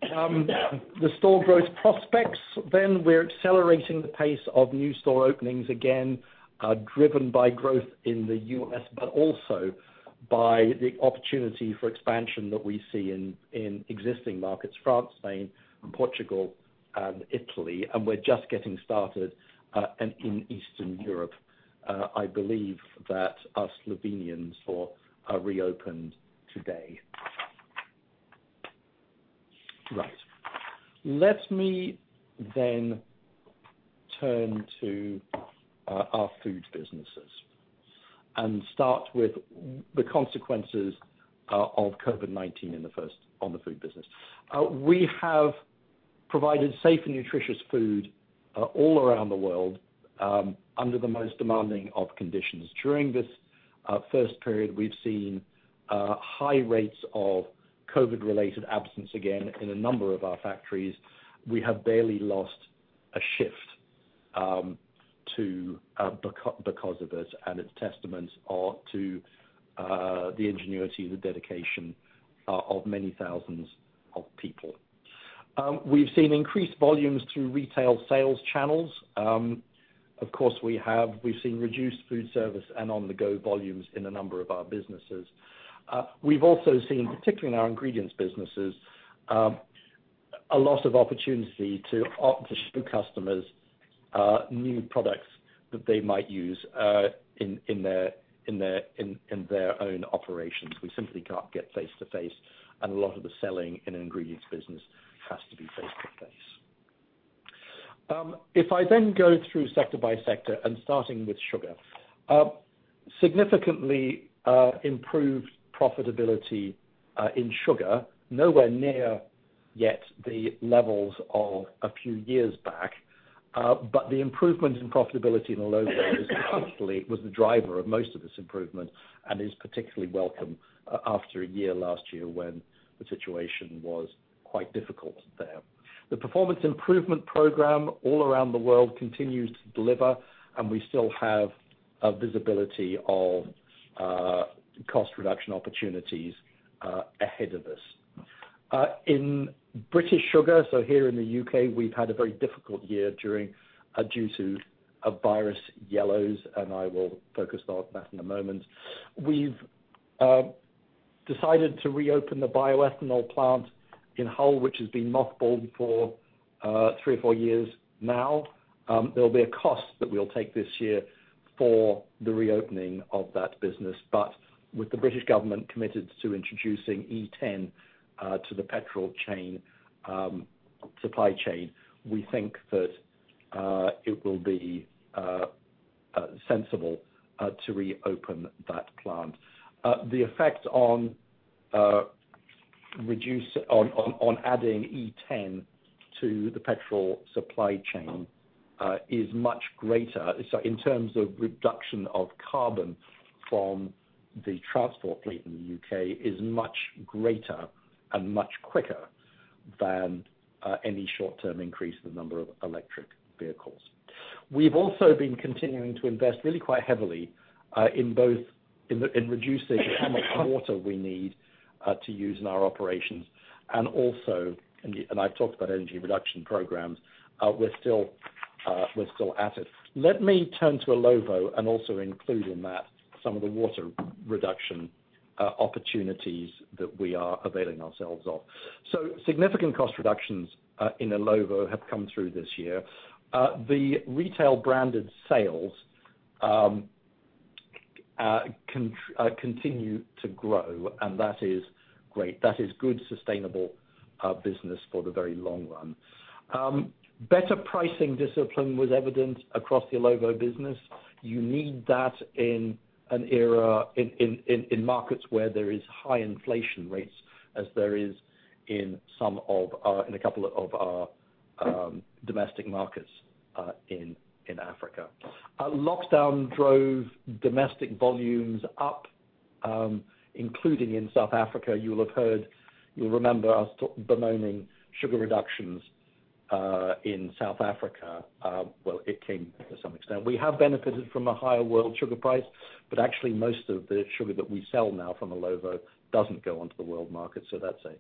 The store growth prospects, we're accelerating the pace of new store openings again, driven by growth in the U.S., but also by the opportunity for expansion that we see in existing markets, France, Spain, Portugal, and Italy. We're just getting started in Eastern Europe. I believe that our Slovenian store reopened today. Right. Let me then turn to our food businesses and start with the consequences of COVID-19 on the food business. We have provided safe and nutritious food all around the world under the most demanding of conditions. During this first period, we've seen high rates of COVID-related absence again in a number of our factories. We have barely lost a shift because of this, and it's testament to the ingenuity, the dedication of many thousands of people. Of course, we've seen increased volumes through retail sales channels. We've seen reduced foodservice and on-the-go volumes in a number of our businesses. We've also seen, particularly in our ingredients businesses, a lot of opportunity to show customers new products that they might use in their own operations. We simply can't get face to face and a lot of the selling in an ingredients business has to be face to face. If I then go through sector by sector and starting with sugar. Significantly improved profitability in sugar, nowhere near yet the levels of a few years back, but the improvement in profitability in Illovo actually was the driver of most of this improvement and is particularly welcome after a year last year when the situation was quite difficult there. The performance improvement program all around the world continues to deliver, and we still have a visibility of cost reduction opportunities ahead of us. In British Sugar, so here in the U.K., we've had a very difficult year due to virus yellows, and I will focus on that in a moment. We've decided to reopen the bioethanol plant in Hull, which has been mothballed for three or four years now. There'll be a cost that we'll take this year for the reopening of that business, but with the British government committed to introducing E10 to the petrol supply chain, we think that it will be sensible to reopen that plant. The effect on adding E10 to the petrol supply chain is much greater, so in terms of reduction of carbon from the transport fleet in the U.K., is much greater and much quicker than any short-term increase in the number of electric vehicles. Also, and I've talked about energy reduction programs, we're still at it. Let me turn to Illovo and also include in that some of the water reduction opportunities that we are availing ourselves of. Significant cost reductions in Illovo have come through this year. The retail branded sales continue to grow, and that is great. That is good, sustainable business for the very long run. Better pricing discipline was evident across the Illovo business. You need that in markets where there is high inflation rates, as there is in a couple of our domestic markets in Africa. Lockdown drove domestic volumes up. Including in South Africa, you'll remember us bemoaning sugar reductions in South Africa. Well, it came to some extent. We have benefited from a higher world sugar price, but actually most of the sugar that we sell now from Illovo doesn't go onto the world market, so that's a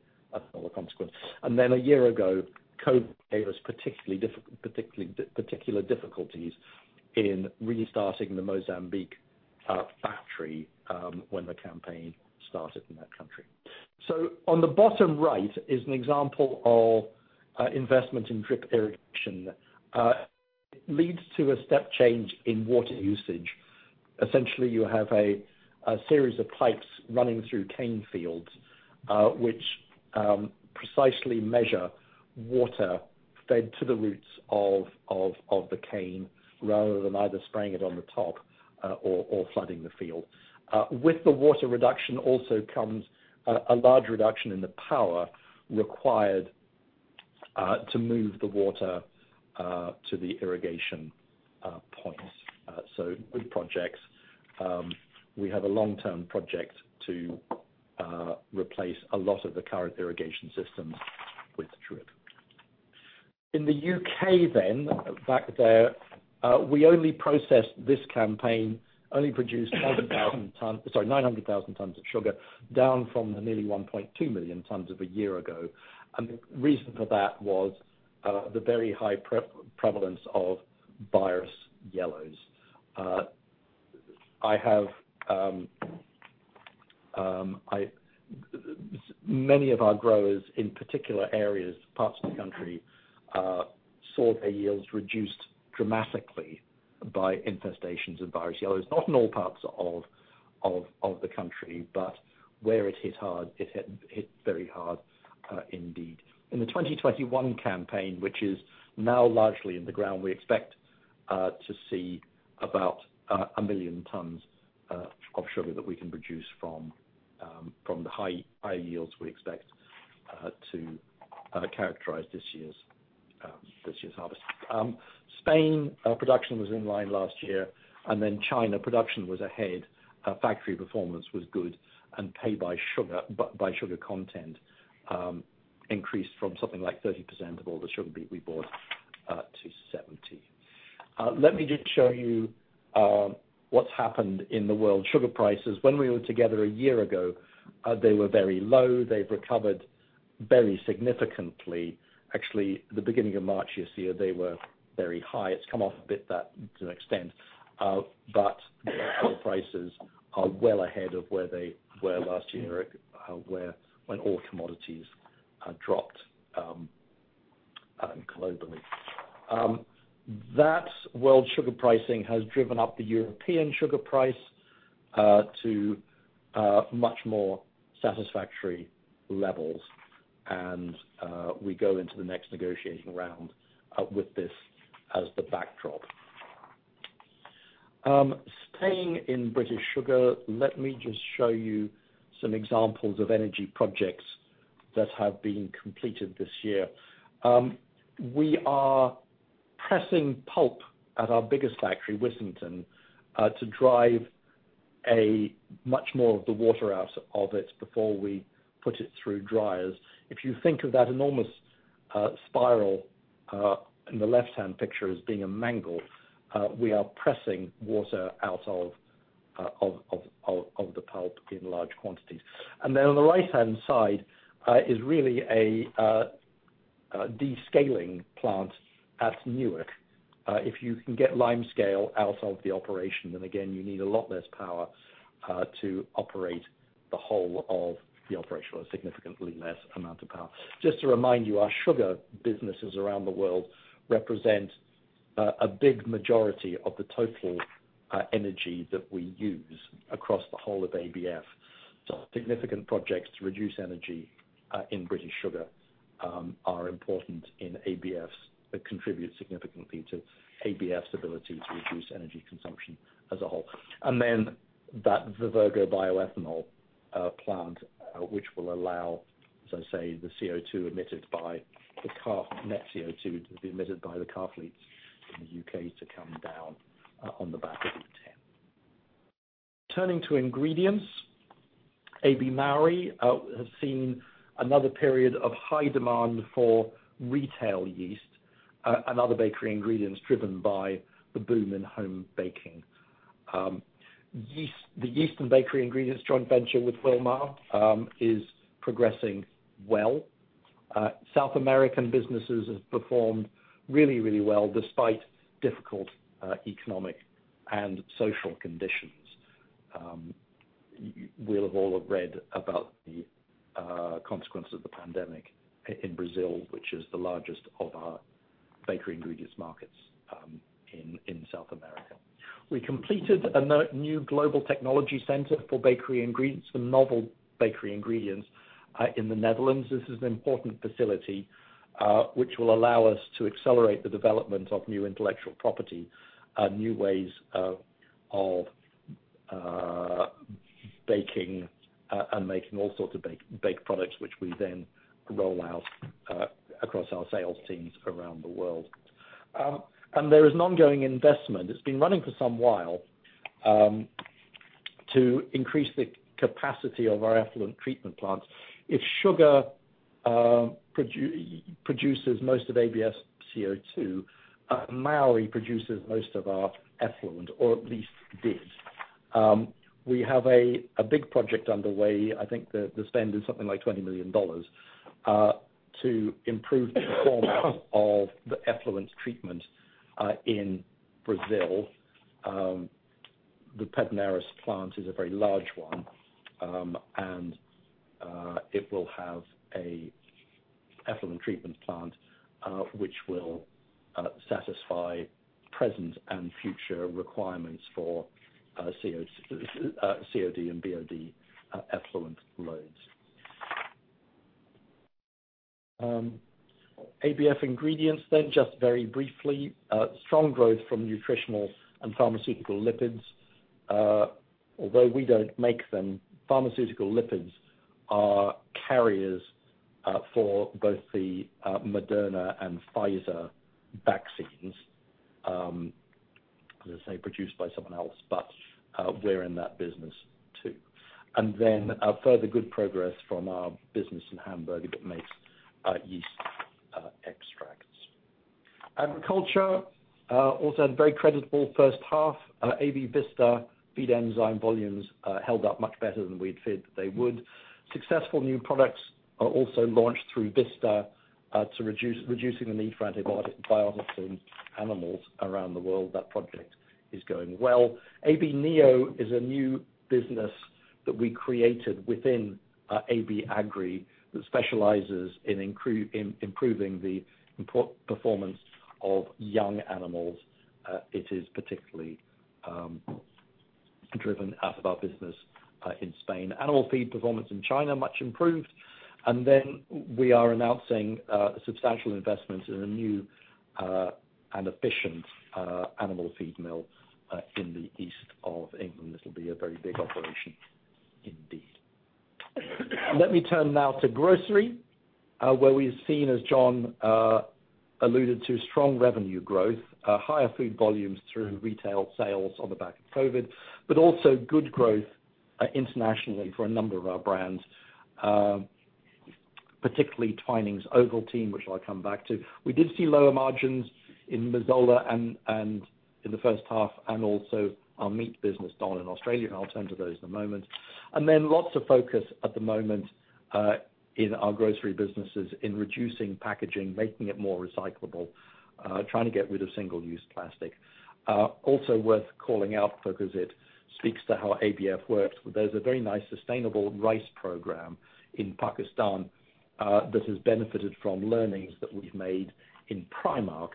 consequence. A year ago, COVID gave us particular difficulties in restarting the Mozambique factory when the campaign started in that country. On the bottom right is an example of investment in drip irrigation. It leads to a step change in water usage. Essentially, you have a series of pipes running through cane fields, which precisely measure water fed to the roots of the cane, rather than either spraying it on the top or flooding the field. With the water reduction also comes a large reduction in the power required to move the water to the irrigation points. Good projects. We have a long-term project to replace a lot of the current irrigation systems with drip. In the U.K., back there, we only processed this campaign, only produced 900,000 tons of sugar, down from the nearly 1.2 million tons of a year ago. The reason for that was the very high prevalence of virus yellows. Many of our growers, in particular areas, parts of the country, saw their yields reduced dramatically by infestations of virus yellows. Not in all parts of the country, but where it hit hard, it hit very hard indeed. In the 2021 campaign, which is now largely in the ground, we expect to see about 1 million tons of sugar that we can produce from the high yields we expect to characterize this year's harvest. Spain production was in line last year. China production was ahead. Factory performance was good and pay by sugar content increased from something like 30% of all the sugar beet we bought to 70%. Let me just show you what's happened in the world sugar prices. When we were together a year ago, they were very low. They've recovered very significantly. Actually, the beginning of March this year, they were very high. It's come off a bit to an extent, sugar prices are well ahead of where they were last year, when all commodities dropped globally. That world sugar pricing has driven up the European sugar price to much more satisfactory levels. We go into the next negotiating round with this as the backdrop. Staying in British Sugar, let me just show you some examples of energy projects that have been completed this year. We are pressing pulp at our biggest factory, Wissington, to drive much more of the water out of it before we put it through dryers. If you think of that enormous spiral in the left-hand picture as being a mangle, we are pressing water out of the pulp in large quantities. On the right-hand side is really a descaling plant at Newark. If you can get lime scale out of the operation, then again, you need a lot less power to operate the whole of the operation, or a significantly less amount of power. Just to remind you, our sugar businesses around the world represent a big majority of the total energy that we use across the whole of ABF. Significant projects to reduce energy in British Sugar are important and contribute significantly to ABF's ability to reduce energy consumption as a whole. The Vivergo bioethanol plant which will allow, as I say, the net CO2 to be emitted by the car fleets in the U.K. to come down on the back of E10. Turning to Ingredients, AB Mauri has seen another period of high demand for retail yeast and other bakery ingredients driven by the boom in home baking. The yeast and bakery ingredients joint venture with Wilmar is progressing well. South American businesses have performed really well despite difficult economic and social conditions. We'll all have read about the consequence of the pandemic in Brazil, which is the largest of our bakery ingredients markets in South America. We completed a new global technology center for bakery ingredients, for novel bakery ingredients, in the Netherlands. This is an important facility, which will allow us to accelerate the development of new intellectual property, new ways of baking and making all sorts of baked products which we then roll out across our sales teams around the world. There is an ongoing investment, it's been running for some while, to increase the capacity of our effluent treatment plants. AB Sugar produces most of ABF's CO2, Mauri produces most of our effluent, or at least did. We have a big project underway, I think the spend is something like GBP 20 million, to improve the form of the effluent treatment in Brazil. The Pederneiras plant is a very large one. It will have a effluent treatment plant which will satisfy present and future requirements for COD and BOD effluent loads. ABF Ingredients, just very briefly, strong growth from nutritional and pharmaceutical lipids. Although we don't make them, pharmaceutical lipids are carriers for both the Moderna and Pfizer vaccines. As I say, produced by someone else, we're in that business too. A further good progress from our business in Hamburg that makes yeast extracts. Agriculture also had a very creditable first half. AB Vista feed enzyme volumes held up much better than we'd feared they would. Successful new products are also launched through AB Vista, reducing the need for antibiotics in animals around the world. That project is going well. AB Neo is a new business that we created within AB Agri, that specializes in improving the performance of young animals. It is particularly driven out of our business in Spain. Animal feed performance in China, much improved. We are announcing substantial investments in a new and efficient animal feed mill in the East of England. This will be a very big operation indeed. Let me turn now to grocery, where we've seen, as John alluded to, strong revenue growth, higher food volumes through retail sales on the back of COVID-19, but also good growth internationally for a number of our brands, particularly Twinings, Ovaltine, which I'll come back to. We did see lower margins in Mazola and in the first half, and also our meat business, Don in Australia, and I'll turn to those in a moment. Lots of focus at the moment in our grocery businesses in reducing packaging, making it more recyclable, trying to get rid of single-use plastic. Worth calling out because it speaks to how ABF works, there's a very nice sustainable rice program in Pakistan that has benefited from learnings that we've made in Primark,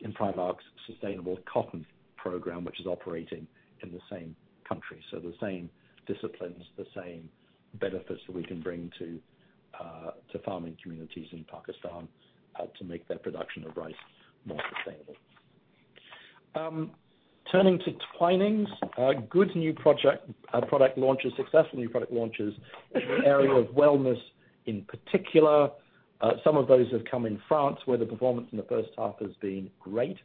in Primark's sustainable cotton program, which is operating in the same country. The same disciplines, the same benefits that we can bring to farming communities in Pakistan to make their production of rice more sustainable. Turning to Twinings, good new product launches, successful new product launches in the area of wellness in particular. Some of those have come in France, where the performance in the first half has been great.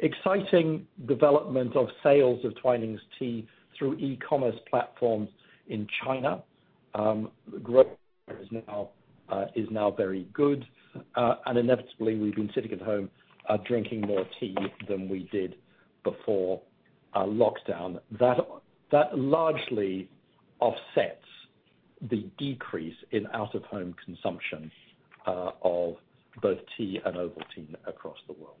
Exciting development of sales of Twinings tea through e-commerce platforms in China. Growth there is now very good. Inevitably, we've been sitting at home drinking more tea than we did before lockdown. That largely offsets the decrease in out-of-home consumption of both tea and Ovaltine across the world.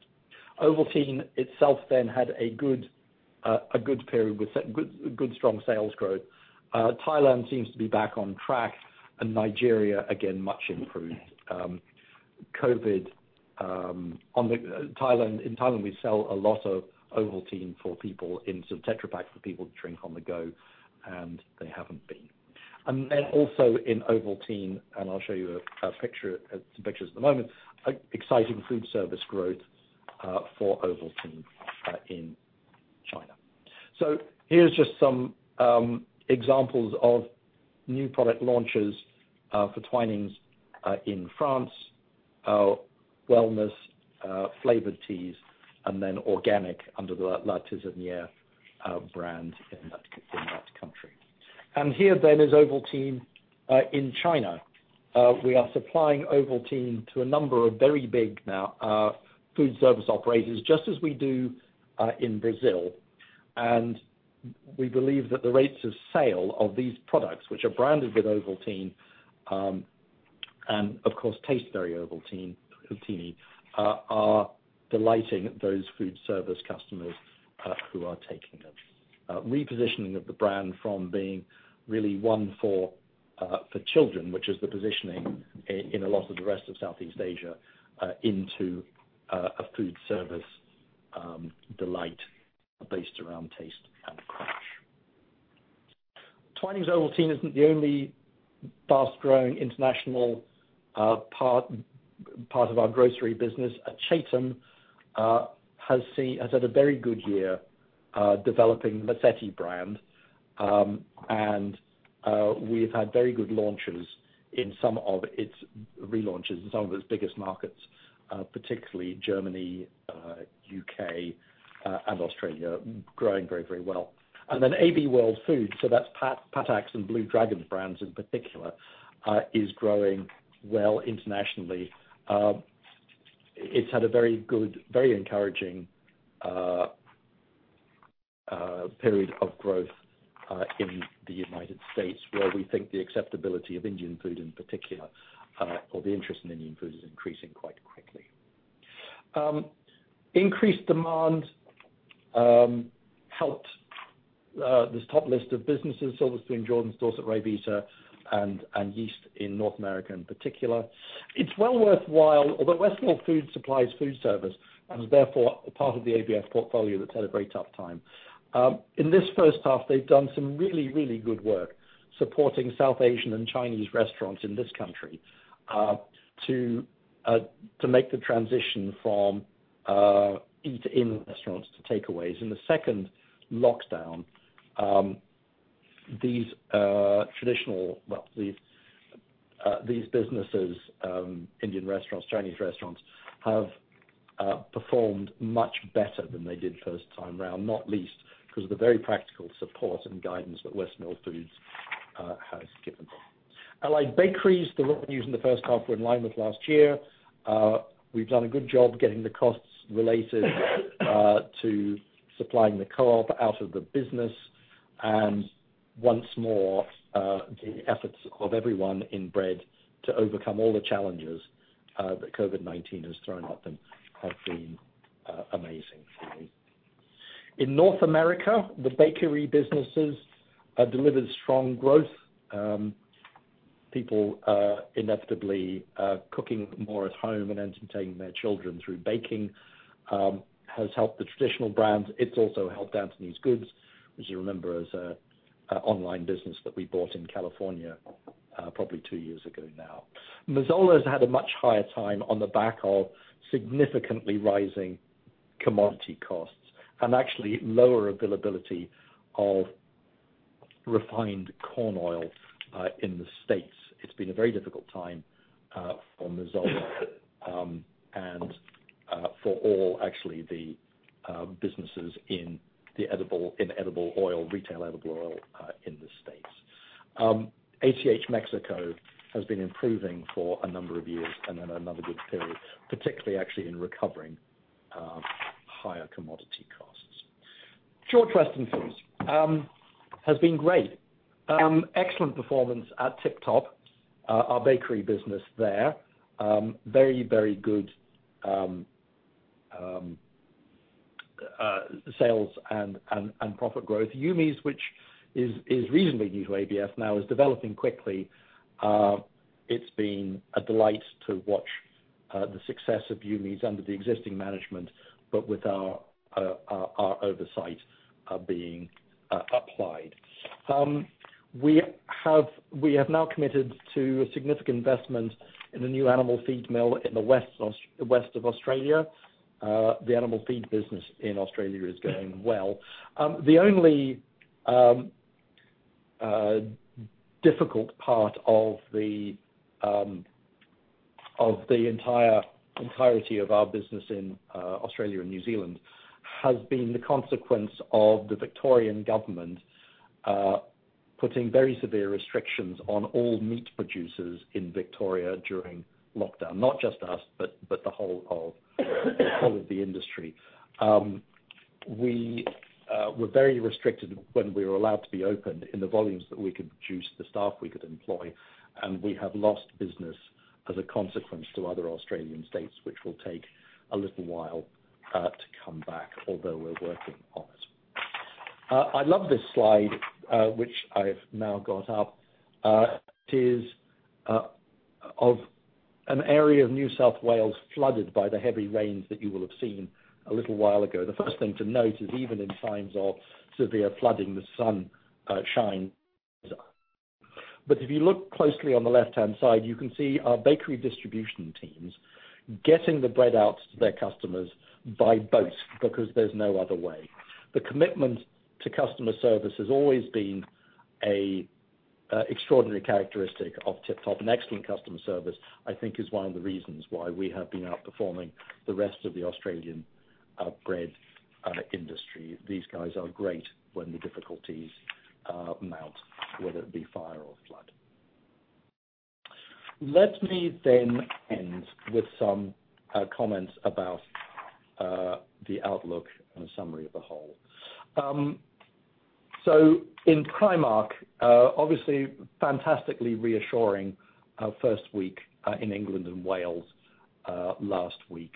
Ovaltine itself then had a good period with good strong sales growth. Thailand seems to be back on track and Nigeria, again, much improved. COVID. In Thailand, we sell a lot of Ovaltine for people in some Tetra Pak for people to drink on the go, and they haven't been. Then also in Ovaltine, I'll show you some pictures at the moment, exciting foodservice growth for Ovaltine in China. Here's just some examples of new product launches for Twinings in France. Wellness, flavored teas, and then organic under the La Tisanière brand in that country. Here then is Ovaltine in China. We are supplying Ovaltine to a number of very big foodservice operators, just as we do in Brazil. We believe that the rates of sale of these products, which are branded with Ovaltine, and of course taste very Ovaltine-y, are delighting those foodservice customers who are taking them. Repositioning of the brand from being really one for children, which is the positioning in a lot of the rest of Southeast Asia, into a foodservice delight based around taste and crunch. Twinings, Ovaltine isn't the only fast growing international part of our grocery business. Acetum has had a very good year developing the Mazzetti brand, and we've had very good launches in some of its relaunches in some of its biggest markets, particularly Germany, U.K., and Australia, growing very well. AB World Foods, so that's Patak's and Blue Dragon brands in particular, is growing well internationally. It's had a very good, very encouraging period of growth in the United States, where we think the acceptability of Indian food in particular, or the interest in Indian food, is increasing quite quickly. Increased demand helped this top list of businesses, Silver Spoon, Jordans, Dorset Cereals, Ryvita, and yeast in North America in particular. Westmill Foods supplies foodservice and is therefore part of the ABF portfolio that's had a very tough time. In this first half, they've done some really good work supporting South Asian and Chinese restaurants in this country to make the transition from eat-in restaurants to takeaways. In the second lockdown, these businesses, Indian restaurants, Chinese restaurants, have performed much better than they did first time around, not least because of the very practical support and guidance that Westmill Foods has given them. Allied Bakeries, the revenues in the first half were in line with last year. We've done a good job getting the costs related to supplying the Co-op out of the business and once more, the efforts of everyone in bread to overcome all the challenges that COVID-19 has thrown at them have been amazing for me. In North America, the bakery businesses have delivered strong growth. People inevitably cooking more at home and entertaining their children through baking has helped the traditional brands. It's also helped Anthony's Goods, which you remember is an online business that we bought in California probably two years ago now. Mazola's had a much higher time on the back of significantly rising commodity costs and actually lower availability of refined corn oil in the U.S. It's been a very difficult time for Mazola and for all, actually, the businesses in edible oil, retail edible oil, in the U.S. ACH Mexico has been improving for a number of years and had another good period, particularly actually in recovering higher commodity costs. George Weston Foods has been great. Excellent performance at Tip Top, our bakery business there. Very good sales and profit growth. Yumi's, which is reasonably new to ABF now, is developing quickly. It's been a delight to watch the success of Yumi's under the existing management, but with our oversight being applied. We have now committed to a significant investment in the new animal feed mill in the west of Australia. The animal feed business in Australia is going well. The only difficult part of the entirety of our business in Australia and New Zealand has been the consequence of the Victorian government putting very severe restrictions on all meat producers in Victoria during lockdown, not just us, but the whole of the industry. We were very restricted when we were allowed to be opened in the volumes that we could produce, the staff we could employ, and we have lost business as a consequence to other Australian states, which will take a little while to come back, although we're working on it. I love this slide, which I've now got up. It is of an area of New South Wales flooded by the heavy rains that you will have seen a little while ago. The first thing to note is even in times of severe flooding, the sun shines. If you look closely on the left-hand side, you can see our bakery distribution teams getting the bread out to their customers by boat because there's no other way. The commitment to customer service has always been an extraordinary characteristic of Tip Top, and excellent customer service, I think, is one of the reasons why we have been outperforming the rest of the Australian bread industry. These guys are great when the difficulties mount, whether it be fire or flood. Let me then end with some comments about the outlook and a summary of the whole. In Primark, obviously fantastically reassuring first week in England and Wales last week.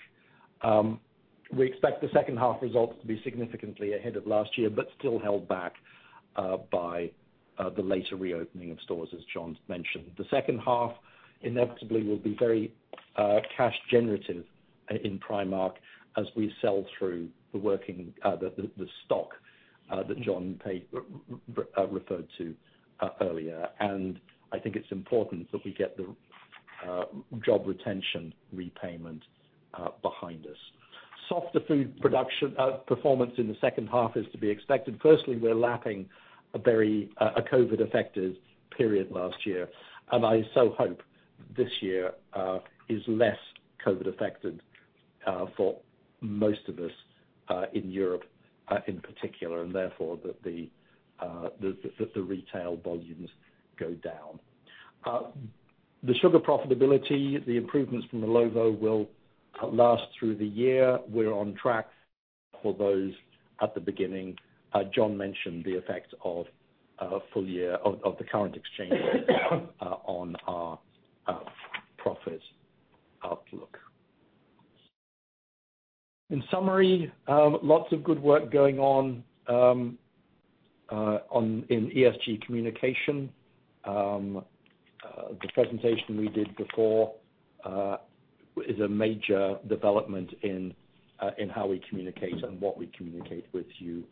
We expect the second half results to be significantly ahead of last year, but still held back by the later reopening of stores, as John's mentioned. The second half inevitably will be very cash generative in Primark, as we sell through the stock that John referred to earlier. I think it's important that we get the job retention repayment behind us. Softer food production performance in the second half is to be expected. Firstly, we're lapping a very COVID affected period last year, and I so hope this year is less COVID affected for most of us, in Europe in particular, and therefore that the retail volumes go down. The sugar profitability, the improvements from Illovo will last through the year. We're on track for those at the beginning. John mentioned the effect of full year of the current exchange rate on our profit outlook. In summary, lots of good work going on in ESG communication. The presentation we did before is a major development in how we communicate and what we communicate with you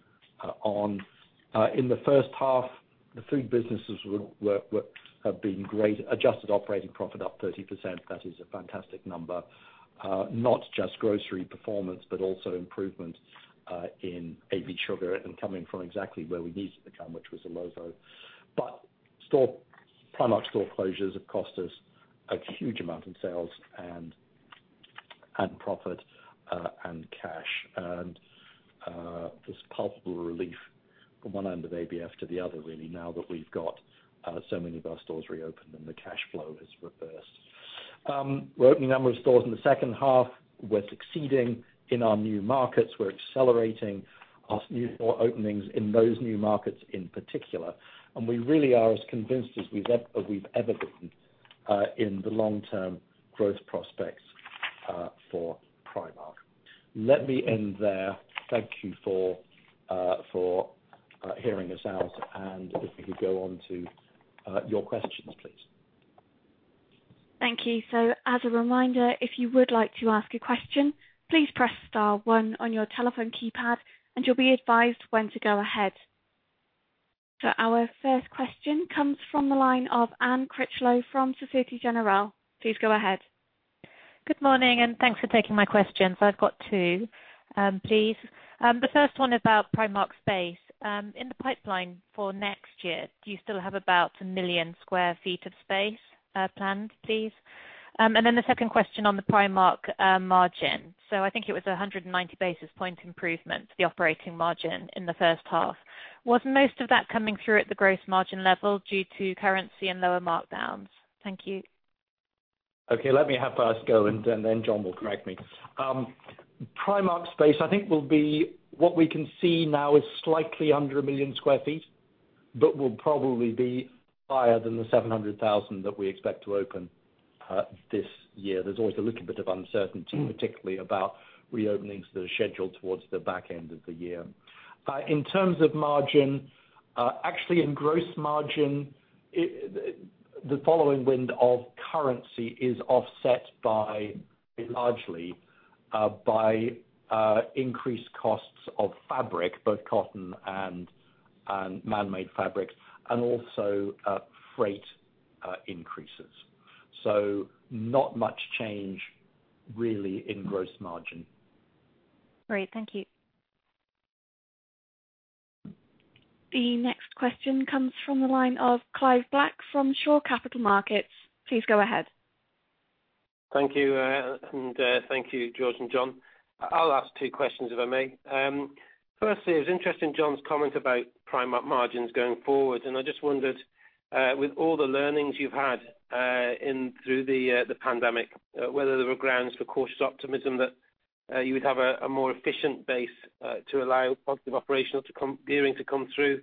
on. In the first half, the food businesses have been great. Adjusted operating profit up 30%, that is a fantastic number. Not just grocery performance, but also improvement in AB Sugar and coming from exactly where we needed to come, which was Illovo. Primark store closures have cost us a huge amount in sales and profit, and cash. There's palpable relief from one end of ABF to the other, really, now that we've got so many of our stores reopened and the cash flow has reversed. We're opening a number of stores in the second half. We're succeeding in our new markets. We're accelerating our new store openings in those new markets in particular, we really are as convinced as we've ever been in the long-term growth prospects for Primark. Let me end there. Thank you for hearing us out. If we could go on to your questions, please. Thank you. As a reminder, if you would like to ask a question, please press star one on your telephone keypad and you'll be advised when to go ahead. Our first question comes from the line of Anne Critchlow from Societe Generale. Please go ahead. Good morning, and thanks for taking my questions. I've got two, please. The first one about Primark space. In the pipeline for next year, do you still have about 1 million sq ft of space planned, please? The second question on the Primark margin. I think it was 190-basis-point improvement, the operating margin in the first half. Was most of that coming through at the gross margin level due to currency and lower markdowns? Thank you. Okay. Let me have first go and then John will correct me. Primark space, I think what we can see now is slightly under 1 million sq ft, but will probably be higher than the 700,000 that we expect to open this year. There's always a little bit of uncertainty, particularly about reopenings that are scheduled towards the back end of the year. In terms of margin, actually in gross margin, the following wind of currency is offset largely by increased costs of fabric, both cotton and manmade fabrics, and also freight increases. Not much change really in gross margin. Great. Thank you. The next question comes from the line of Clive Black from Shore Capital Markets. Please go ahead. Thank you. Thank you, George Weston and John Bason. I'll ask two questions if I may. Firstly, it was interesting John Bason's comment about Primark margins going forward. I just wondered with all the learnings you've had through the pandemic, whether there were grounds for cautious optimism that you would have a more efficient base to allow positive operational gearing to come through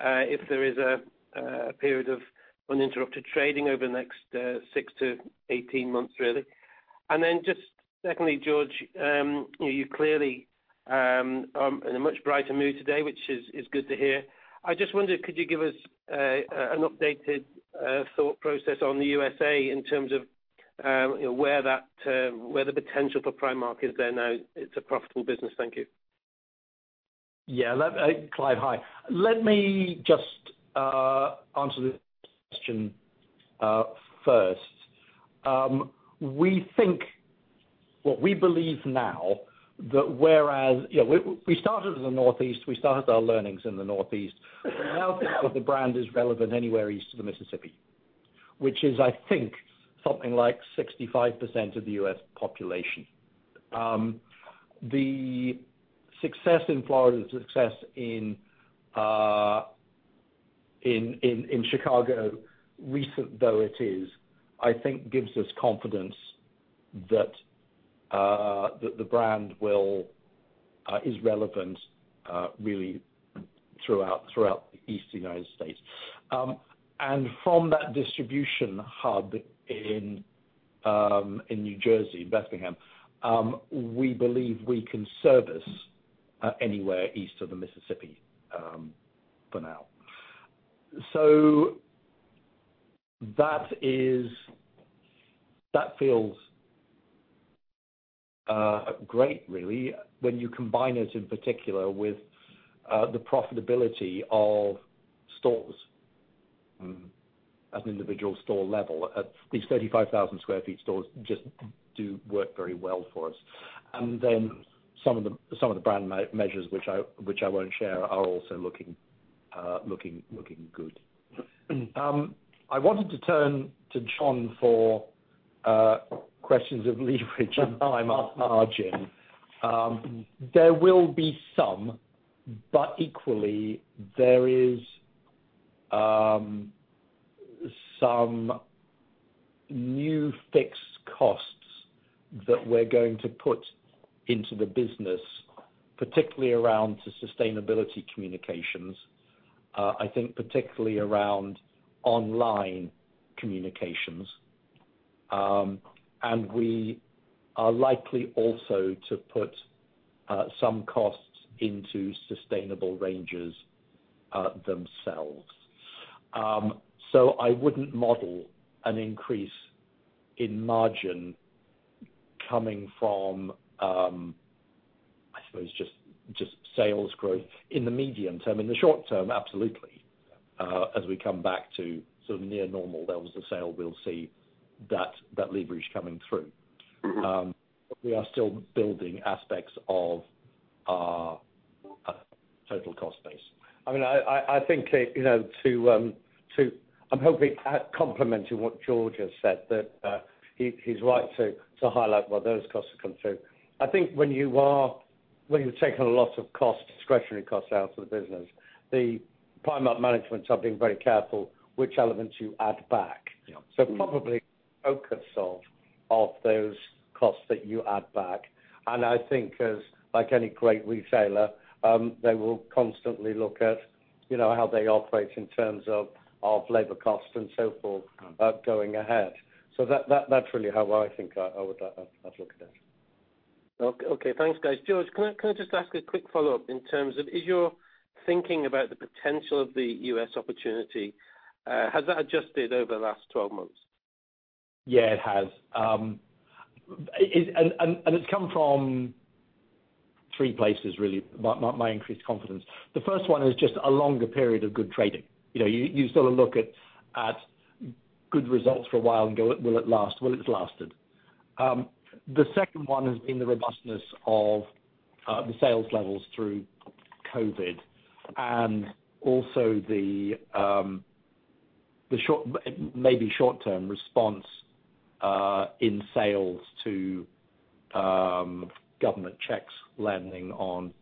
if there is a period of uninterrupted trading over the next 6 to 18 months, really. Just secondly, George Weston, you clearly are in a much brighter mood today, which is good to hear. I just wondered, could you give us an updated thought process on the U.S.A. in terms of where the potential for Primark is there now it's a profitable business? Thank you. Yeah. Clive, hi. Let me just answer this question first. What we believe now, we started as a Northeast, we started our learnings in the Northeast. Now the brand is relevant anywhere east of the Mississippi, which is, I think, something like 65% of the U.S. population. The success in Florida, the success in Chicago, recent though it is, I think gives us confidence that the brand is relevant really throughout the East United States. From that distribution hub in New Jersey, in Bethlehem, we believe we can service anywhere east of the Mississippi, for now. That feels great, really, when you combine it in particular with the profitability of stores at an individual store level. These 35,000 sq ft stores just do work very well for us. Then some of the brand measures, which I won't share, are also looking good. I wanted to turn to John for questions of leverage and margin. Equally, there is some new fixed costs that we're going to put into the business, particularly around the sustainability communications. I think particularly around online communications. We are likely also to put some costs into sustainable ranges themselves. I wouldn't model an increase in margin coming from just sales growth in the medium term. In the short term, absolutely. As we come back to near normal levels of sale, we'll see that leverage coming through. We are still building aspects of our total cost base. I'm hoping, complementing what George has said, that he's right to highlight where those costs have come through. I think when you've taken a lot of discretionary costs out of the business, the Primark managements are being very careful which elements you add back. Yeah. Probably focus of those costs that you add back, and I think as like any great retailer, they will constantly look at how they operate in terms of labor costs and so forth going ahead. That's really how I think I would look at it. Okay. Thanks, guys. George, can I just ask a quick follow-up in terms of, is your thinking about the potential of the U.S. opportunity, has that adjusted over the last 12 months? Yeah, it has. It's come from three places, really, my increased confidence. The first one is just a longer period of good trading. You sort of look at good results for a while and go, will it last? Well, it's lasted. The second one has been the robustness of the sales levels through COVID-19, and also the maybe short-term response, in sales to government checks landing on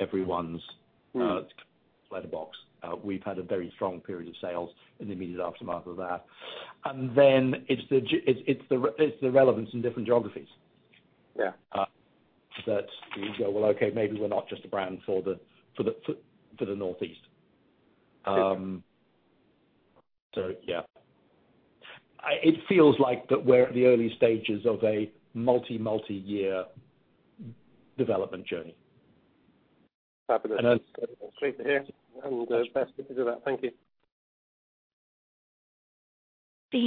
everyone's letterbox. We've had a very strong period of sales in the immediate aftermath of that. Then it's the relevance in different geographies. Yeah. That you go, well, okay, maybe we're not just a brand for the Northeast. Yeah. It feels like that we're at the early stages of a multi-year development journey. Happy to hear. Best if you do that. Thank you. The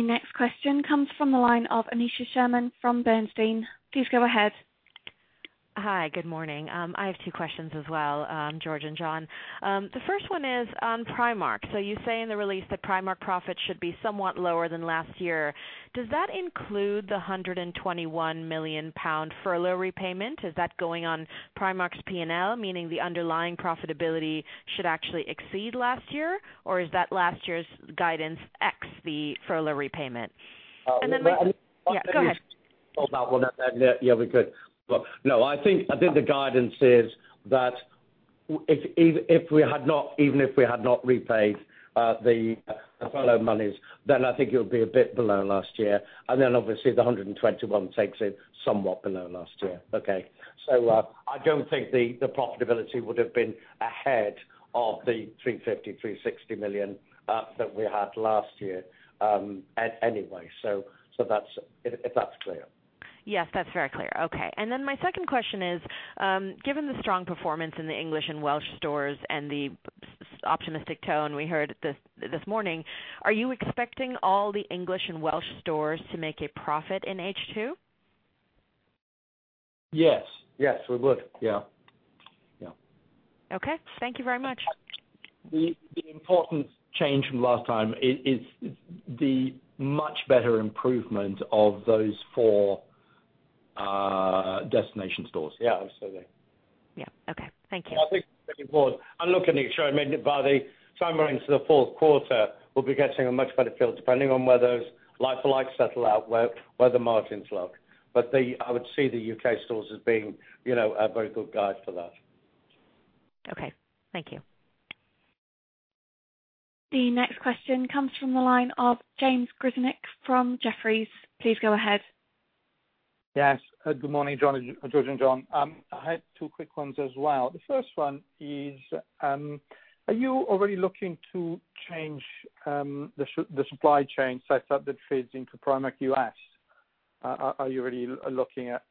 next question comes from the line of Aneesha Sherman from Bernstein. Please go ahead. Hi. Good morning. I have two questions as well, George and John. The first one is on Primark. You say in the release that Primark profits should be somewhat lower than last year. Does that include the 121 million pound furlough repayment? Is that going on Primark's P&L, meaning the underlying profitability should actually exceed last year? Is that last year's guidance x the furlough repayment? Yeah, go ahead. I think the guidance is that even if we had not repaid the furlough monies, then I think it would be a bit below last year. Obviously the 121 million takes it somewhat below last year. Okay. I don't think the profitability would have been ahead of the 350 million, 360 million that we had last year anyway, if that's clear. Yes, that's very clear. Okay. My second question is, given the strong performance in the English and Welsh stores and the optimistic tone we heard this morning, are you expecting all the English and Welsh stores to make a profit in H2? Yes. We would. Yeah. Okay. Thank you very much. The important change from last time is the much better improvement of those four destination stores. Yeah, absolutely. Yeah. Okay. Thank you. I think it's very important. Look, Aneesha, by the time we're into the fourth quarter, we'll be getting a much better feel, depending on where those like-for-like settle out, where the margins look. I would see the U.K. stores as being a very good guide for that. Okay. Thank you. The next question comes from the line of James Grzinic from Jefferies. Please go ahead. Yes. Good morning, George and John. I had two quick ones as well. The first one is, are you already looking to change the supply chain setup that feeds into Primark U.S.? Are you really looking at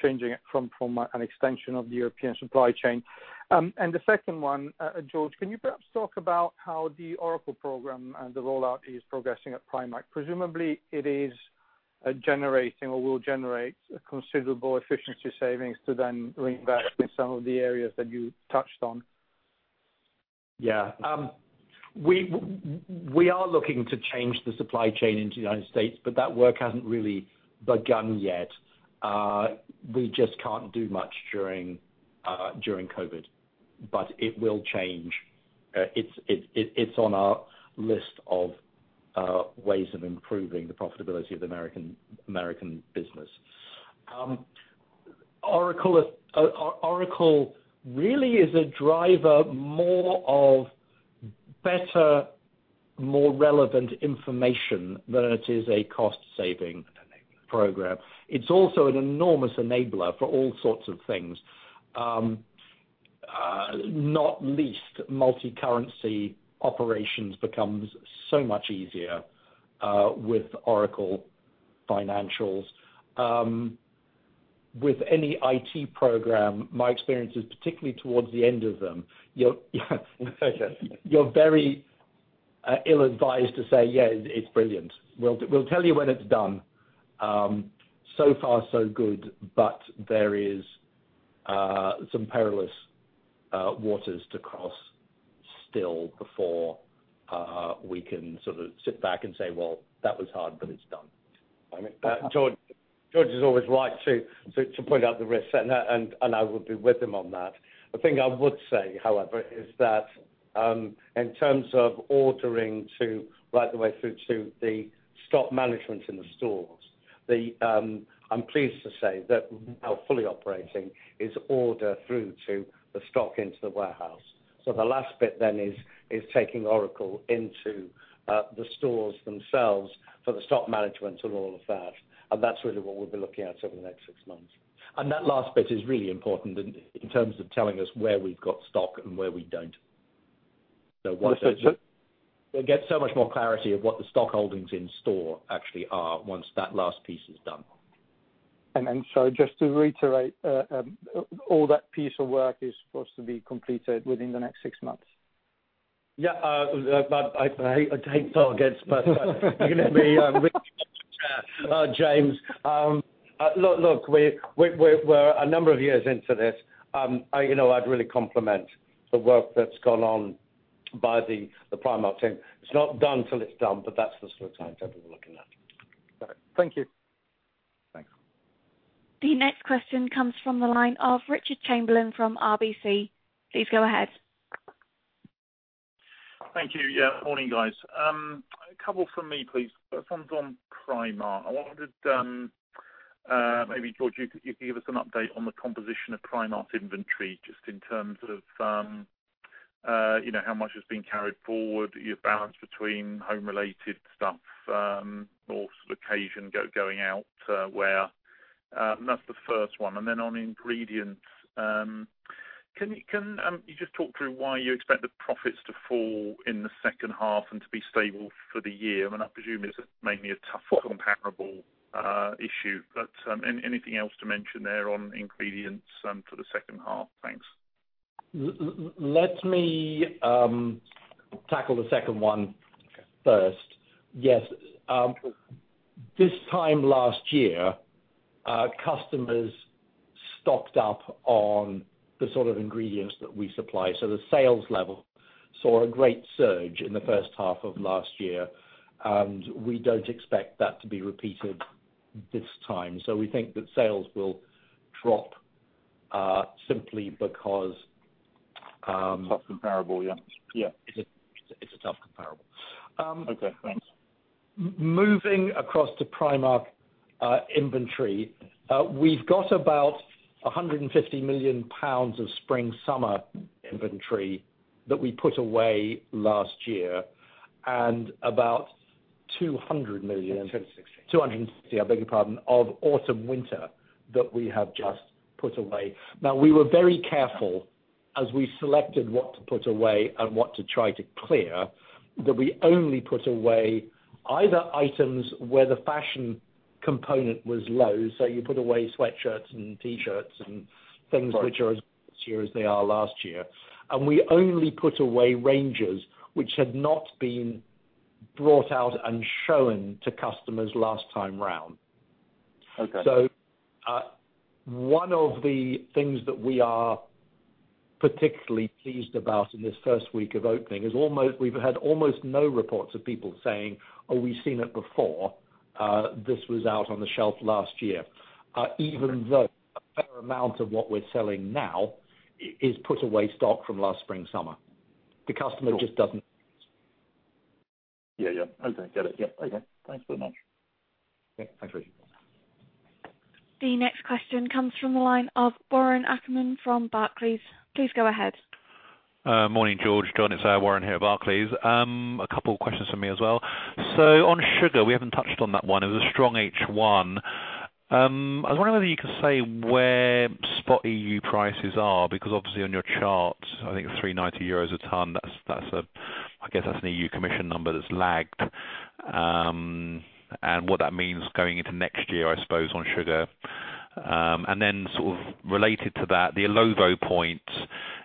changing it from an extension of the European supply chain? The second one, George, can you perhaps talk about how the Oracle program and the rollout is progressing at Primark? Presumably it is generating or will generate considerable efficiency savings to then reinvest in some of the areas that you touched on. Yeah. We are looking to change the supply chain into the United States, but that work hasn't really begun yet. We just can't do much during COVID-19. It will change. It's on our list of ways of improving the profitability of the American business. Oracle really is a driver more of better, more relevant information than it is a cost-saving program. It's also an enormous enabler for all sorts of things. Not least multi-currency operations becomes so much easier, with Oracle financials. With any IT program, my experience is particularly towards the end of them, you're very ill-advised to say, "Yeah, it's brilliant." We'll tell you when it's done. So far so good, but there is some perilous waters to cross still before we can sort of sit back and say, "Well, that was hard, but it's done. George is always right to point out the risks, and I would be with him on that. The thing I would say, however, is that, in terms of ordering right the way through to the stock management in the stores, I'm pleased to say that we're now fully operating is order through to the stock into the warehouse. The last bit then is taking Oracle into the stores themselves for the stock management and all of that, and that's really what we'll be looking at over the next six months. That last bit is really important in terms of telling us where we've got stock and where we don't. Understood. We'll get so much more clarity of what the stock holdings in-store actually are once that last piece is done. Just to reiterate, all that piece of work is supposed to be completed within the next six months? Yeah. I hate targets. You're going to have me really, James. Look, we're a number of years into this. I'd really compliment the work that's gone on by the Primark team. It's not done till it's done. That's the sort of timetable we're looking at. Got it. Thank you. Thanks. The next question comes from the line of Richard Chamberlain from RBC Capital Markets. Please go ahead. Thank you. Morning, guys. A couple from me, please. First one's on Primark. I wondered, maybe George, you could give us an update on the composition of Primark's inventory, just in terms of how much is being carried forward, your balance between home related stuff, or sort of occasion going out wear. That's the first one. On Ingredients, can you just talk through why you expect the profits to fall in the second half and to be stable for the year? I mean, I presume it's mainly a tough comparable issue, anything else to mention there on Ingredients for the second half? Thanks. Let me tackle the second one first. Yes. This time last year, customers stocked up on the sort of ingredients that we supply. The sales level saw a great surge in the first half of last year. We don't expect that to be repeated this time. We think that sales will drop, simply because. Tough comparable, yeah. It's a tough comparable. Okay, thanks. Moving across to Primark inventory. We've got about 150 million pounds of spring/summer inventory that we put away last year, and about 200 million- 260 million 260 million, I beg your pardon, of autumn/winter that we have just put away. We were very careful as we selected what to put away and what to try to clear, that we only put away either items where the fashion component was low, so you put away sweatshirts and T-shirts and things which are as this year as they are last year. We only put away ranges which had not been brought out and shown to customers last time round. Okay. One of the things that we are particularly pleased about in this first week of opening, is we've had almost no reports of people saying, "Oh, we've seen it before. This was out on the shelf last year." Even though a fair amount of what we're selling now is put-away stock from last spring/summer. The customer just doesn't. Yeah. Okay, got it. Thanks very much. Yeah. Thanks, Richard. The next question comes from the line of Warren Ackerman from Barclays. Please go ahead. Morning, George, John. It's Warren here at Barclays. A couple questions from me as well. On AB Sugar, we haven't touched on that one. It was a strong H1. I was wondering whether you could say where spot EU prices are, because obviously on your chart, I think 390 euros a ton, I guess that's a European Commission number that's lagged, and what that means going into next year, I suppose, on AB Sugar. Sort of related to that, the Illovo point,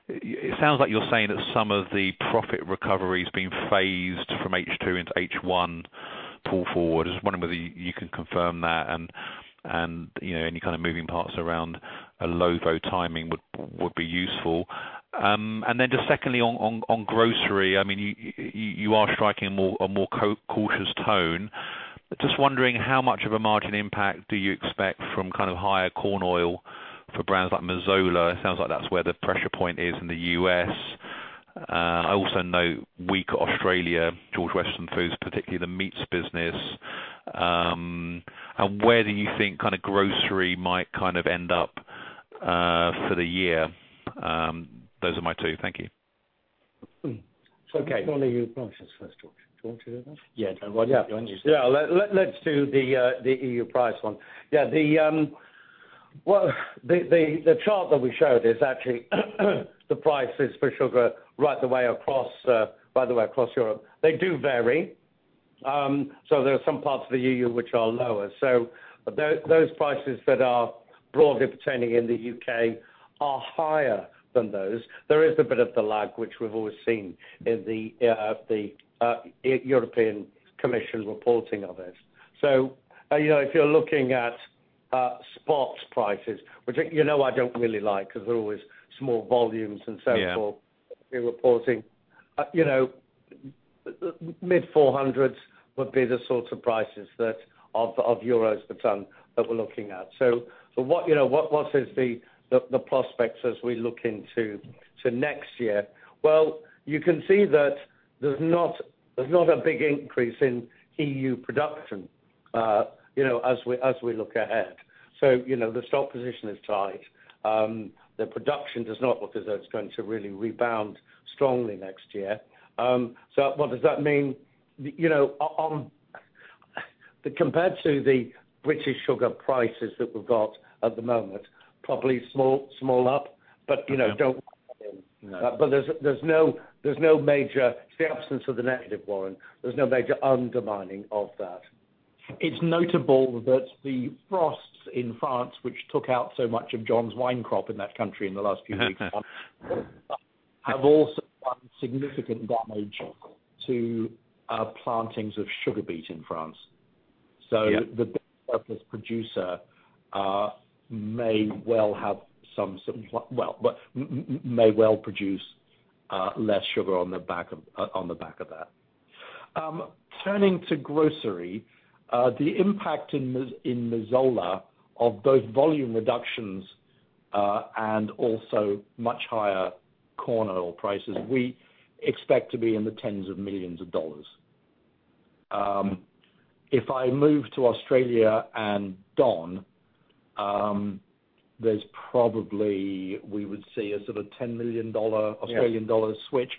it sounds like you're saying that some of the profit recovery is being phased from H2 into H1 pull forward. I was just wondering whether you can confirm that and any kind of moving parts around Illovo timing would be useful. Just secondly, on grocery, you are striking a more cautious tone. Just wondering how much of a margin impact do you expect from higher corn oil for brands like Mazola? It sounds like that's where the pressure point is in the U.S. I also note weak Australia, George Weston Foods, particularly the meats business. Where do you think grocery might end up for the year? Those are my two. Thank you. Okay. EU prices first, George. Do you want to do that? Yeah, why don't you do it? Yeah. Let's do the EU price one. The chart that we showed is actually the prices for sugar by the way, across Europe. They do vary. There are some parts of the EU which are lower. Those prices that are broadly pertaining in the U.K. are higher than those. There is a bit of the lag, which we've always seen in the European Commission reporting of this. If you're looking at spots prices, which you know I don't really like because they're always small volumes and so forth. Yeah in reporting. Mid 400s would be the sorts of prices of EUR per ton that we're looking at. What is the prospects as we look into to next year? Well, you can see that there's not a big increase in EU production as we look ahead. The stock position is tight. The production does not look as though it's going to really rebound strongly next year. What does that mean? Compared to the British Sugar prices that we've got at the moment, probably small up. Okay. Don't. No. It's the absence of the negative warrant. There's no major undermining of that. It's notable that the frosts in France, which took out so much of John's wine crop in that country in the last few weeks have also done significant damage to plantings of sugar beet in France. Yeah. The producer may well produce less sugar on the back of that. Turning to grocery, the impact in Mazola of both volume reductions, and also much higher corn oil prices, we expect to be in the tens of millions of dollars. If I move to Australia and Don, there's probably, we would see a sort of 10 million Australian dollars switch.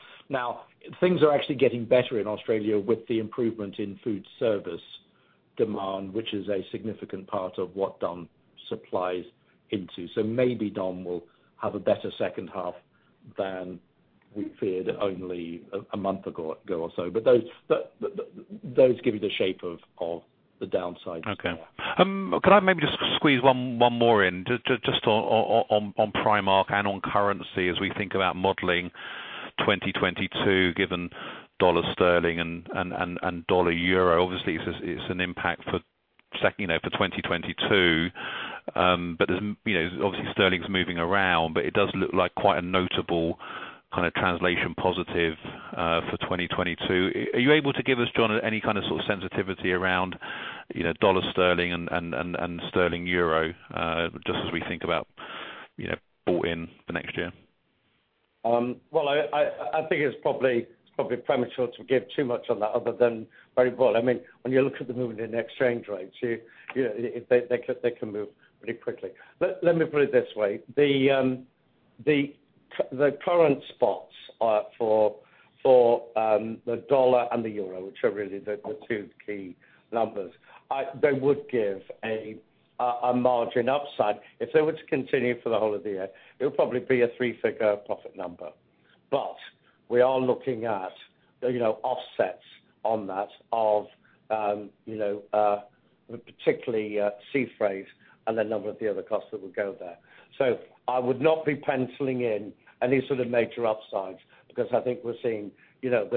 Things are actually getting better in Australia with the improvement in foodservice demand, which is a significant part of what Don supplies into. Maybe Don will have a better second half than we feared only a month ago or so. Those give you the shape of the downsides there. Okay. Could I maybe just squeeze one more in, just on Primark and on currency as we think about modeling 2022, given dollar sterling and dollar euro. Obviously, it's an impact for 2022. Obviously sterling's moving around, but it does look like quite a notable kind of translation positive for 2022. Are you able to give us, John, any kind of sort of sensitivity around dollar sterling and sterling euro, just as we think about bought in for next year? Well, I think it's probably premature to give too much on that other than very broad. When you look at the movement in exchange rates, they can move pretty quickly. Let me put it this way. The current spots for the dollar and the euro, which are really the two key numbers, they would give a margin upside. If they were to continue for the whole of the year, it would probably be a three-figure profit number. We are looking at offsets on that of particularly sea freight and a number of the other costs that would go there. I would not be penciling in any sort of major upsides, because I think we're seeing. At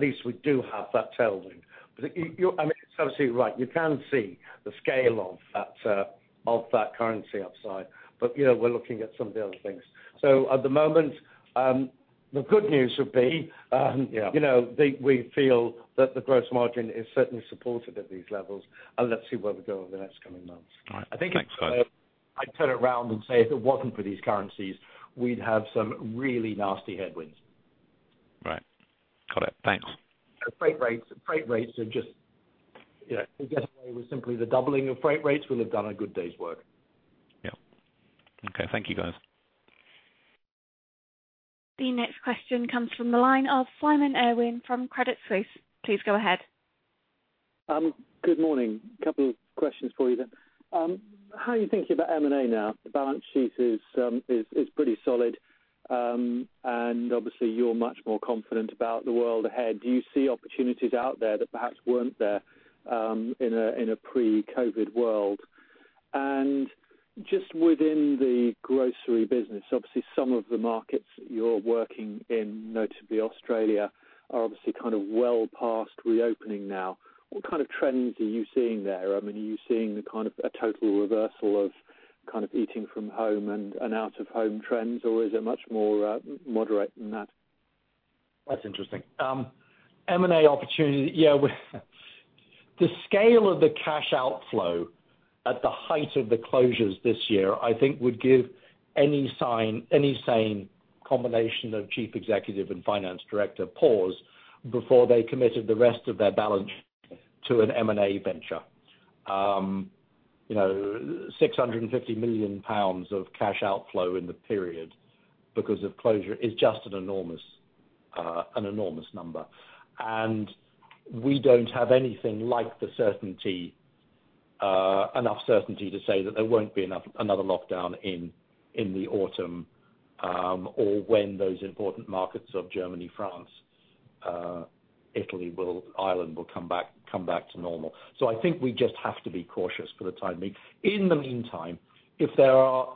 least we do have that tailwind. It's absolutely right. You can see the scale of that currency upside, but we're looking at some of the other things. At the moment, the good news would be. Yeah we feel that the gross margin is certainly supported at these levels, and let's see where we go over the next coming months. All right. Thanks, guys. I think I'd turn it around and say if it wasn't for these currencies, we'd have some really nasty headwinds. Right. Got it. Thanks. To get away with simply the doubling of freight rates, we'll have done a good day's work. Yeah. Okay. Thank you, guys. The next question comes from the line of Simon Irwin from Credit Suisse. Please go ahead Good morning. Couple of questions for you then. How are you thinking about M&A now? The balance sheet is pretty solid, and obviously you're much more confident about the world ahead. Do you see opportunities out there that perhaps weren't there in a pre-COVID world? Just within the grocery business, obviously some of the markets you're working in, notably Australia, are obviously well past reopening now. What kind of trends are you seeing there? Are you seeing a total reversal of eating from home and out-of-home trends, or is it much more moderate than that? That's interesting. M&A opportunity. Yeah. The scale of the cash outflow at the height of the closures this year, I think, would give any sane combination of chief executive and finance director pause before they committed the rest of their balance to an M&A venture. 650 million pounds of cash outflow in the period because of closure is just an enormous number. We don't have anything like enough certainty to say that there won't be another lockdown in the autumn, or when those important markets of Germany, France, Italy, Ireland will come back to normal. I think we just have to be cautious for the time being. In the meantime, if there are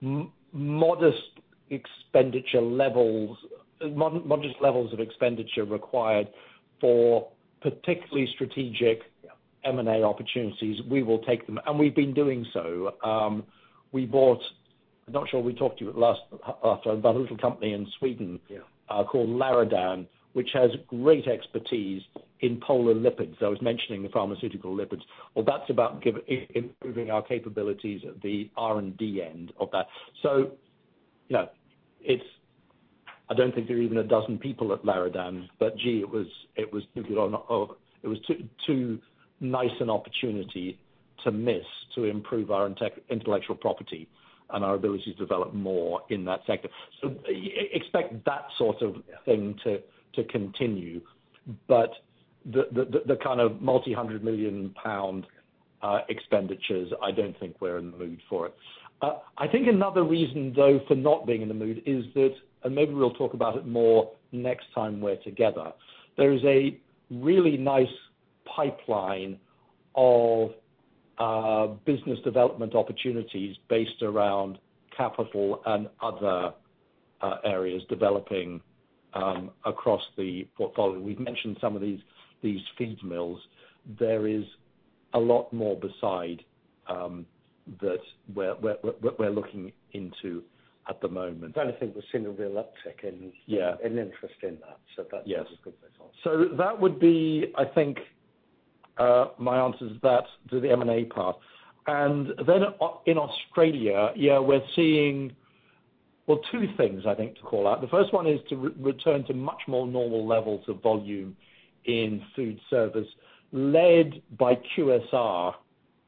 modest levels of expenditure required for particularly strategic M&A opportunities, we will take them. We've been doing so. We bought, I'm not sure if we talked to you about it last, about a little company in Sweden. Yeah called Larodan, which has great expertise in polar lipids. I was mentioning the pharmaceutical lipids. Well, that's about improving our capabilities at the R&D end of that. I don't think there are even a dozen people at Larodan, but gee, it was too nice an opportunity to miss to improve our intellectual property and our ability to develop more in that sector. Expect that sort of thing to continue. The kind of multi-hundred-million GBP expenditures, I don't think we're in the mood for it. I think another reason, though, for not being in the mood is that, and maybe we'll talk about it more next time we're together, there is a really nice pipeline of business development opportunities based around capital and other areas developing across the portfolio. We've mentioned some of these feed mills. There is a lot more beside that we're looking into at the moment. I don't think we've seen a real uptick in- Yeah in interest in that. Yes good result. That would be, I think, my answer to that, to the M&A part. In Australia, yeah, we're seeing, well, two things, I think, to call out. The first one is to return to much more normal levels of volume in foodservice led by QSR,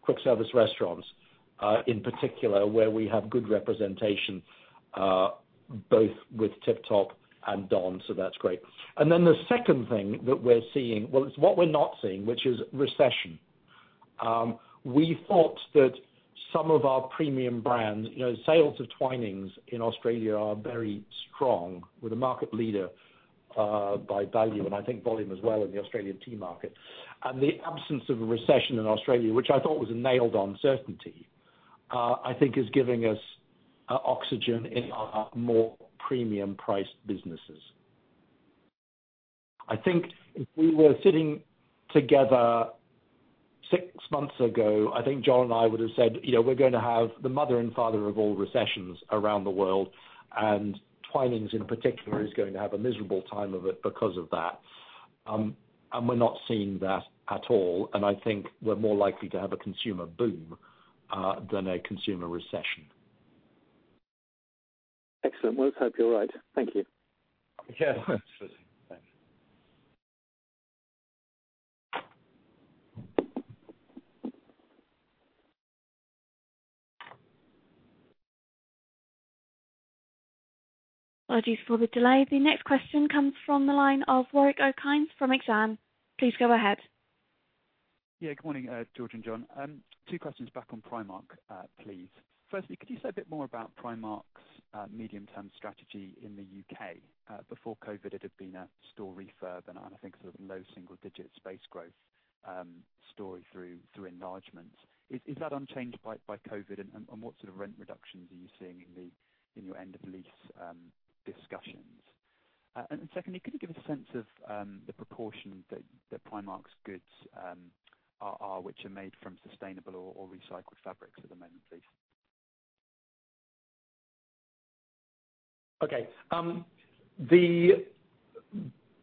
quick service restaurants, in particular, where we have good representation both with Tip Top and Don. That's great. The second thing that we're seeing, well, it's what we're not seeing, which is recession. We thought that some of our premium brands, sales of Twinings in Australia are very strong. We're the market leader by value, and I think volume as well in the Australian tea market. The absence of a recession in Australia, which I thought was a nailed on certainty, I think is giving us oxygen in our more premium priced businesses. I think if we were sitting together six months ago, I think John and I would've said, "We're going to have the mother and father of all recessions around the world, and Twinings, in particular, is going to have a miserable time of it because of that." We're not seeing that at all, and I think we're more likely to have a consumer boom than a consumer recession. Excellent. Well, let's hope you're right. Thank you. Yeah. Absolutely. Thanks. Apologies for the delay. The next question comes from the line of Warwick Okines from Exane. Please go ahead. Good morning, George and John. Two questions back on Primark, please. Could you say a bit more about Primark's medium term strategy in the U.K.? Before COVID, it had been a store refurb, I think sort of low single digit space growth story through enlargement. Is that unchanged by COVID? What sort of rent reductions are you seeing in your end of lease discussions? Could you give a sense of the proportion that Primark's goods are which are made from sustainable or recycled fabrics at the moment, please? Okay. The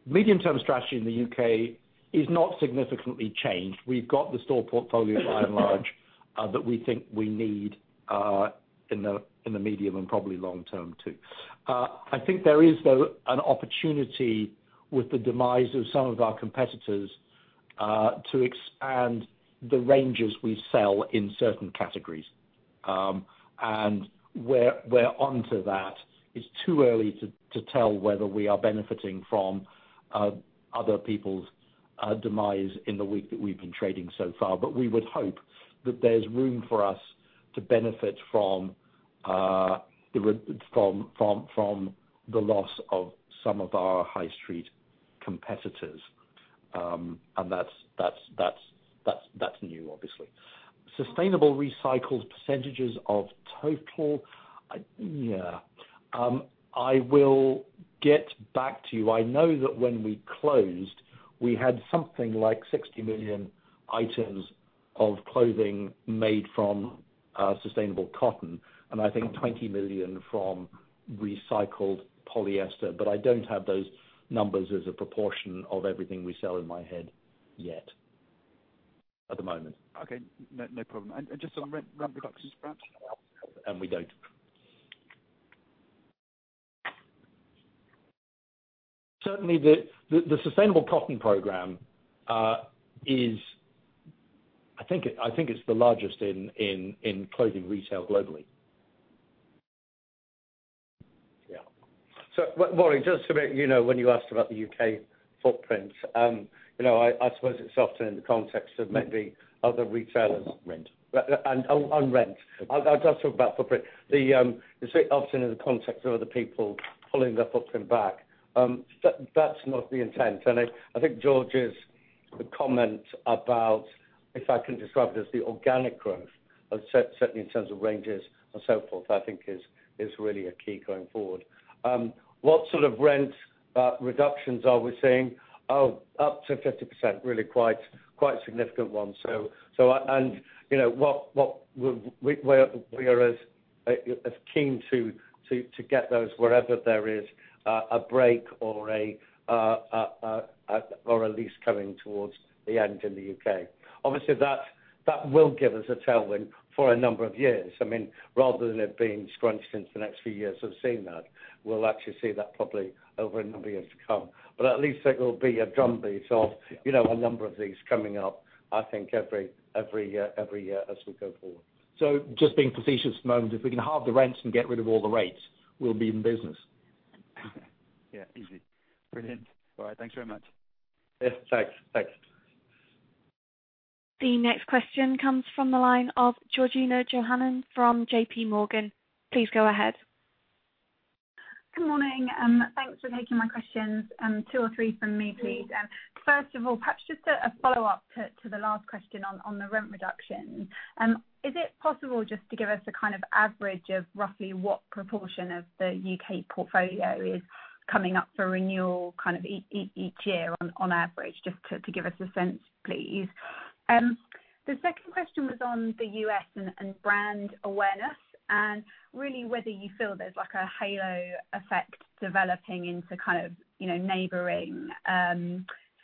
medium-term strategy in the U.K. is not significantly changed. We've got the store portfolio by and large, that we think we need in the medium and probably long-term too. I think there is, though, an opportunity with the demise of some of our competitors, to expand the ranges we sell in certain categories. We're onto that. It's too early to tell whether we are benefiting from other people's demise in the week that we've been trading so far, but we would hope that there's room for us to benefit from the loss of some of our high street competitors. That's new, obviously. Sustainable recycled percentages of total. Yeah. I will get back to you. I know that when we closed, we had something like 60 million items of clothing made from sustainable cotton, and I think 20 million from recycled polyester. I don't have those numbers as a proportion of everything we sell in my head yet, at the moment. Okay, no problem. Just on rent reductions, perhaps? We don't. Certainly, the sustainable cotton program, I think it's the largest in clothing retail globally. Yeah. Warwick, just to let you know, when you asked about the U.K. footprint, I suppose it's often in the context of maybe other retailers. On rent. On rent. I'll just talk about footprint. The street often in the context of other people pulling their footprint back. That's not the intent. I think George's comment about, if I can describe it as the organic growth, certainly in terms of ranges and so forth, I think is really a key going forward. What sort of rent reductions are we seeing? Up to 50%, really quite significant ones. We are as keen to get those wherever there is a break or a lease coming towards the end in the U.K. Obviously, that will give us a tailwind for a number of years. I mean rather than it being scrunched into the next few years of seeing that, we'll actually see that probably over a number of years to come. At least there will be a drumbeat of a number of these coming up, I think every year as we go forward. Just being facetious for a moment, if we can halve the rents and get rid of all the rates, we will be in business. Yeah, easy. Brilliant. All right. Thanks very much. Yes, thanks. The next question comes from the line of Georgina Johanan from JPMorgan. Please go ahead. Good morning. Thanks for taking my questions, two or three from me, please. First of all, perhaps just a follow-up to the last question on the rent reduction. Is it possible just to give us a kind of average of roughly what proportion of the U.K. portfolio is coming up for renewal kind of each year on average, just to give us a sense, please? The second question was on the U.S. and brand awareness, and really whether you feel there's like a halo effect developing into neighboring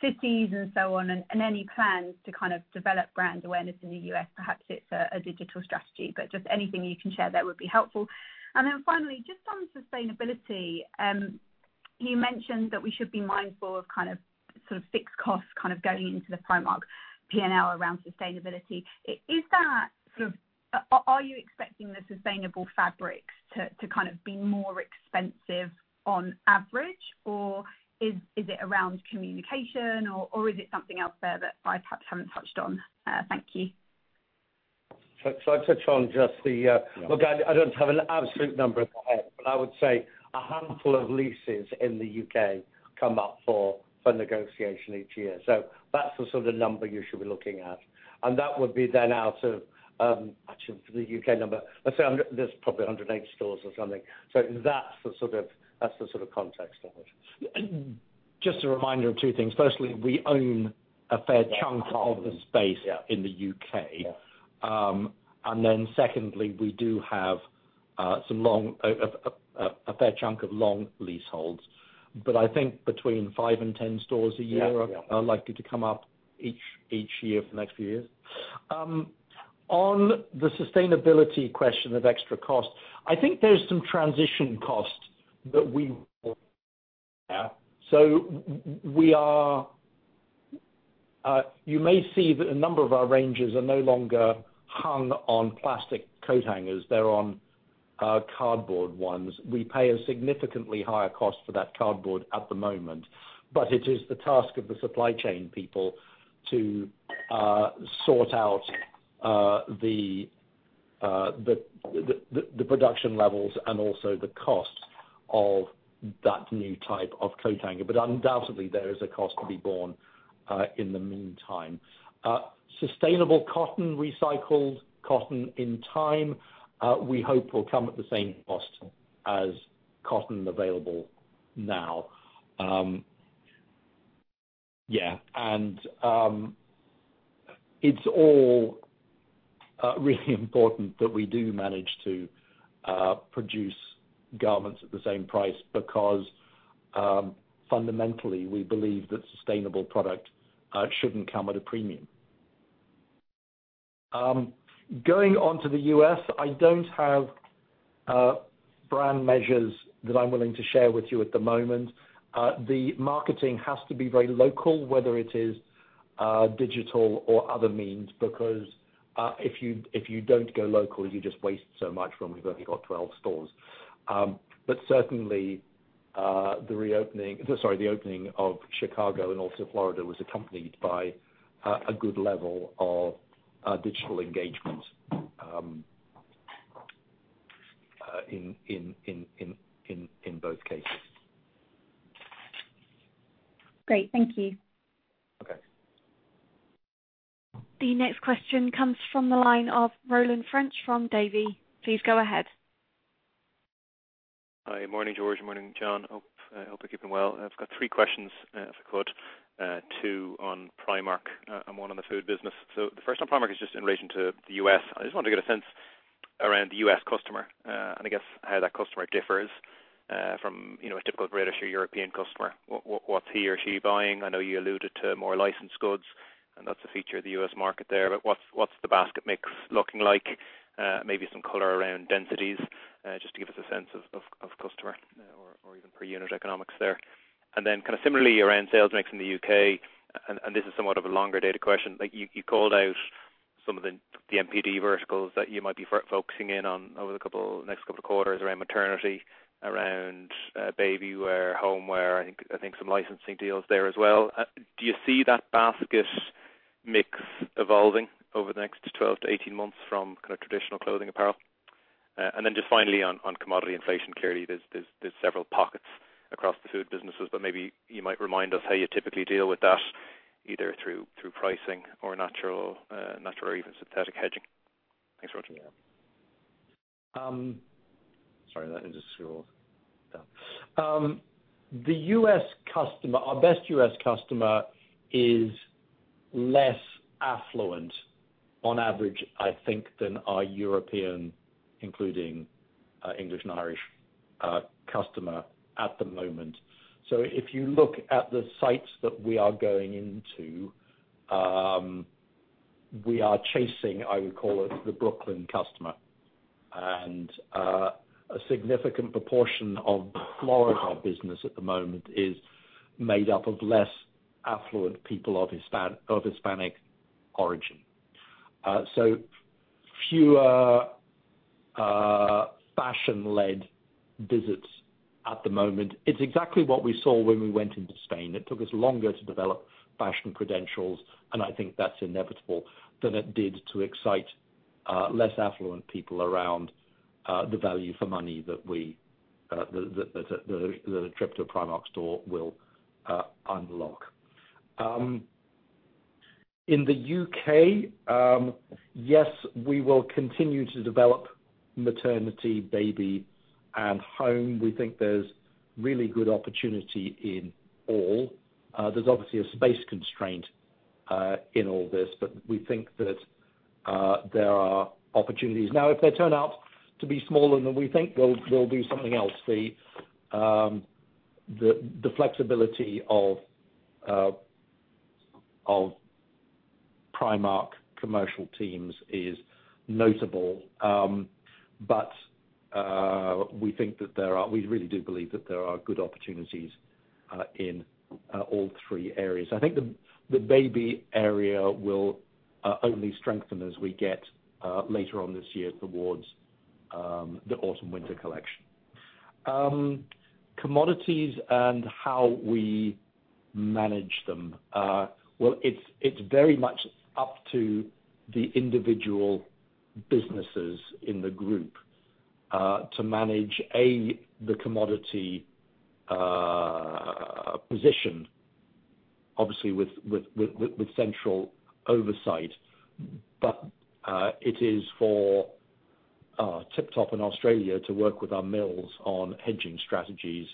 cities and so on, and any plans to develop brand awareness in the U.S. Perhaps it's a digital strategy, but just anything you can share there would be helpful. Finally, just on sustainability, you mentioned that we should be mindful of fixed costs kind of going into the Primark P&L around sustainability. Are you expecting the sustainable fabrics to be more expensive on average, or is it around communication, or is it something else there that I perhaps haven't touched on? Thank you. Should I touch on just the. Look, I don't have an absolute number in my head, but I would say a handful of leases in the U.K. come up for negotiation each year. That's the sort of number you should be looking at. That would be then out of actually for the U.K. number, let's say there's probably 180 stores or something. That's the sort of context of it. Just a reminder of two things. Firstly, we own a fair chunk of the space in the U.K. Yeah. Secondly, we do have a fair chunk of long leaseholds. I think between five and 10 stores a year are likely to come up each year for the next few years. On the sustainability question of extra cost, I think there's some transition costs that we will bear. You may see that a number of our ranges are no longer hung on plastic coat hangers. They're on cardboard ones. We pay a significantly higher cost for that cardboard at the moment, but it is the task of the supply chain people to sort out the production levels and also the cost of that new type of coat hanger. Undoubtedly, there is a cost to be borne in the meantime. Sustainable cotton, recycled cotton, in time, we hope will come at the same cost as cotton available now. Yeah. It's all really important that we do manage to produce garments at the same price because fundamentally, we believe that sustainable product shouldn't come at a premium. Going on to the U.S., I don't have brand measures that I'm willing to share with you at the moment. The marketing has to be very local, whether it is digital or other means, because if you don't go local, you just waste so much when we've only got 12 stores. Certainly, the opening of Chicago and also Florida was accompanied by a good level of digital engagement in both cases. Great. Thank you. Okay. The next question comes from the line of Roland French from Davy. Please go ahead. Hi. Morning, George. Morning, John. Hope you're keeping well. I've got three questions, if I could, two on Primark and one on the food business. The first on Primark is just in relation to the U.S. I just wanted to get a sense around the U.S. customer, and I guess how that customer differs from a typical British or European customer. What's he or she buying? I know you alluded to more licensed goods, and that's a feature of the U.S. market there, but what's the basket mix looking like? Maybe some color around densities, just to give us a sense of customer or even per unit economics there. Then similarly around sales mix in the U.K., and this is somewhat of a longer data question. You called out some of the NPD verticals that you might be focusing in on over the next couple of quarters around maternity, around baby wear, home wear, I think some licensing deals there as well. Do you see that basket mix evolving over the next 12 to 18 months from traditional clothing apparel? Then just finally on commodity inflation, clearly there's several pockets across the food businesses, but maybe you might remind us how you typically deal with that, either through pricing or natural or even synthetic hedging. Thanks, George. Yeah. Sorry, let me just scroll down. Our best U.S. customer is less affluent on average, I think, than our European, including English and Irish customer at the moment. If you look at the sites that we are going into, we are chasing, I would call it, the Brooklyn customer. A significant proportion of the Florida business at the moment is made up of less affluent people of Hispanic origin. Fewer fashion-led visits at the moment. It's exactly what we saw when we went into Spain. It took us longer to develop fashion credentials, and I think that's inevitable than it did to excite less affluent people around the value for money that a trip to a Primark store will unlock. In the U.K., yes, we will continue to develop maternity, baby, and home. We think there's really good opportunity in all. There's obviously a space constraint in all this, but we think that there are opportunities. If they turn out to be smaller than we think, we'll do something else. The flexibility of Primark commercial teams is notable. We really do believe that there are good opportunities in all three areas. I think the baby area will only strengthen as we get later on this year towards the autumn/winter collection. Commodities and how we manage them. It's very much up to the individual businesses in the group to manage, A, the commodity position, obviously with central oversight. It is for Tip Top in Australia to work with our mills on hedging strategies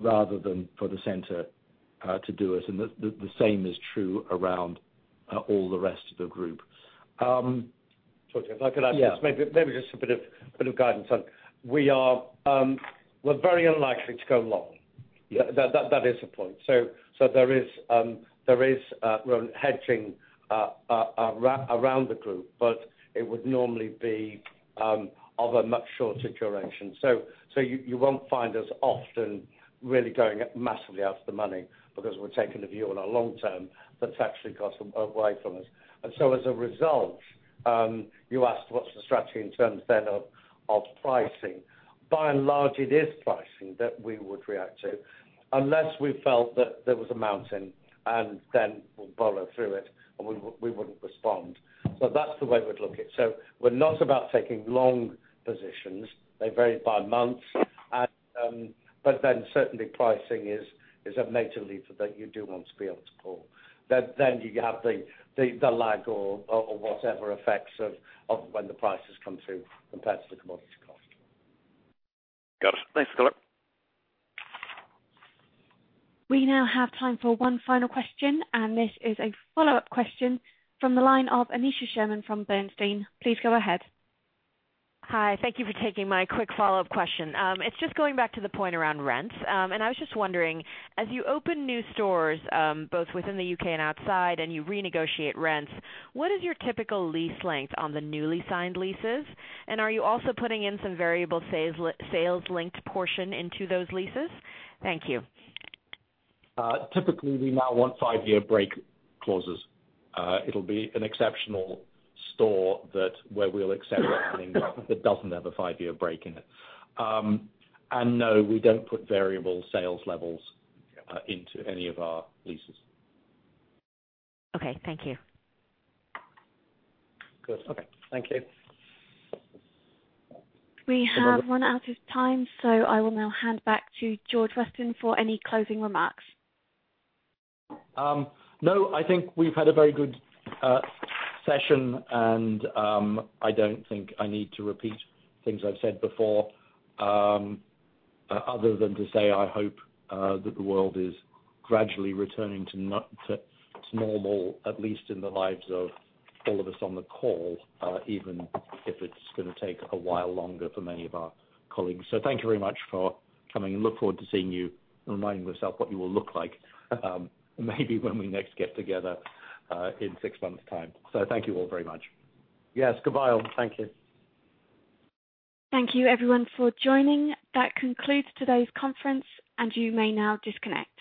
rather than for the center to do it, and the same is true around all the rest of the group. Sorry, if I could add to this. Yeah. We're very unlikely to go long. Yeah. That is the point. There is hedging around the group, but it would normally be of a much shorter duration. You won't find us often really going massively out of the money because we're taking a view on our long term that's actually got away from us. As a result, you asked what's the strategy in terms then of pricing. By and large, it is pricing that we would react to unless we felt that there was a mountain, and then we'll borrow through it and we wouldn't respond. That's the way we'd look at it. We're not about taking long positions. They vary by months. Certainly pricing is a major lever that you do want to be able to pull. You have the lag or whatever effects of when the prices come through compared to the commodity cost. Got it. Thanks for the color. We now have time for one final question. This is a follow-up question from the line of Aneesha Sherman from Bernstein. Please go ahead. Hi. Thank you for taking my quick follow-up question. It's just going back to the point around rents. I was just wondering, as you open new stores both within the U.K. and outside, and you renegotiate rents, what is your typical lease length on the newly signed leases? Are you also putting in some variable sales linked portion into those leases? Thank you. Typically, we now want five-year break clauses. It'll be an exceptional store where we'll accept a letting that doesn't have a five-year break in it. No, we don't put variable sales levels into any of our leases. Okay, thank you. Good. Okay. Thank you. We have run out of time. I will now hand back to George Weston for any closing remarks. I think we've had a very good session. I don't think I need to repeat things I've said before other than to say I hope that the world is gradually returning to normal, at least in the lives of all of us on the call, even if it's going to take a while longer for many of our colleagues. Thank you very much for coming. Look forward to seeing you and reminding yourself what you will look like maybe when we next get together in six months' time. Thank you all very much. Yes. Goodbye all. Thank you. Thank you everyone for joining. That concludes today's conference, and you may now disconnect.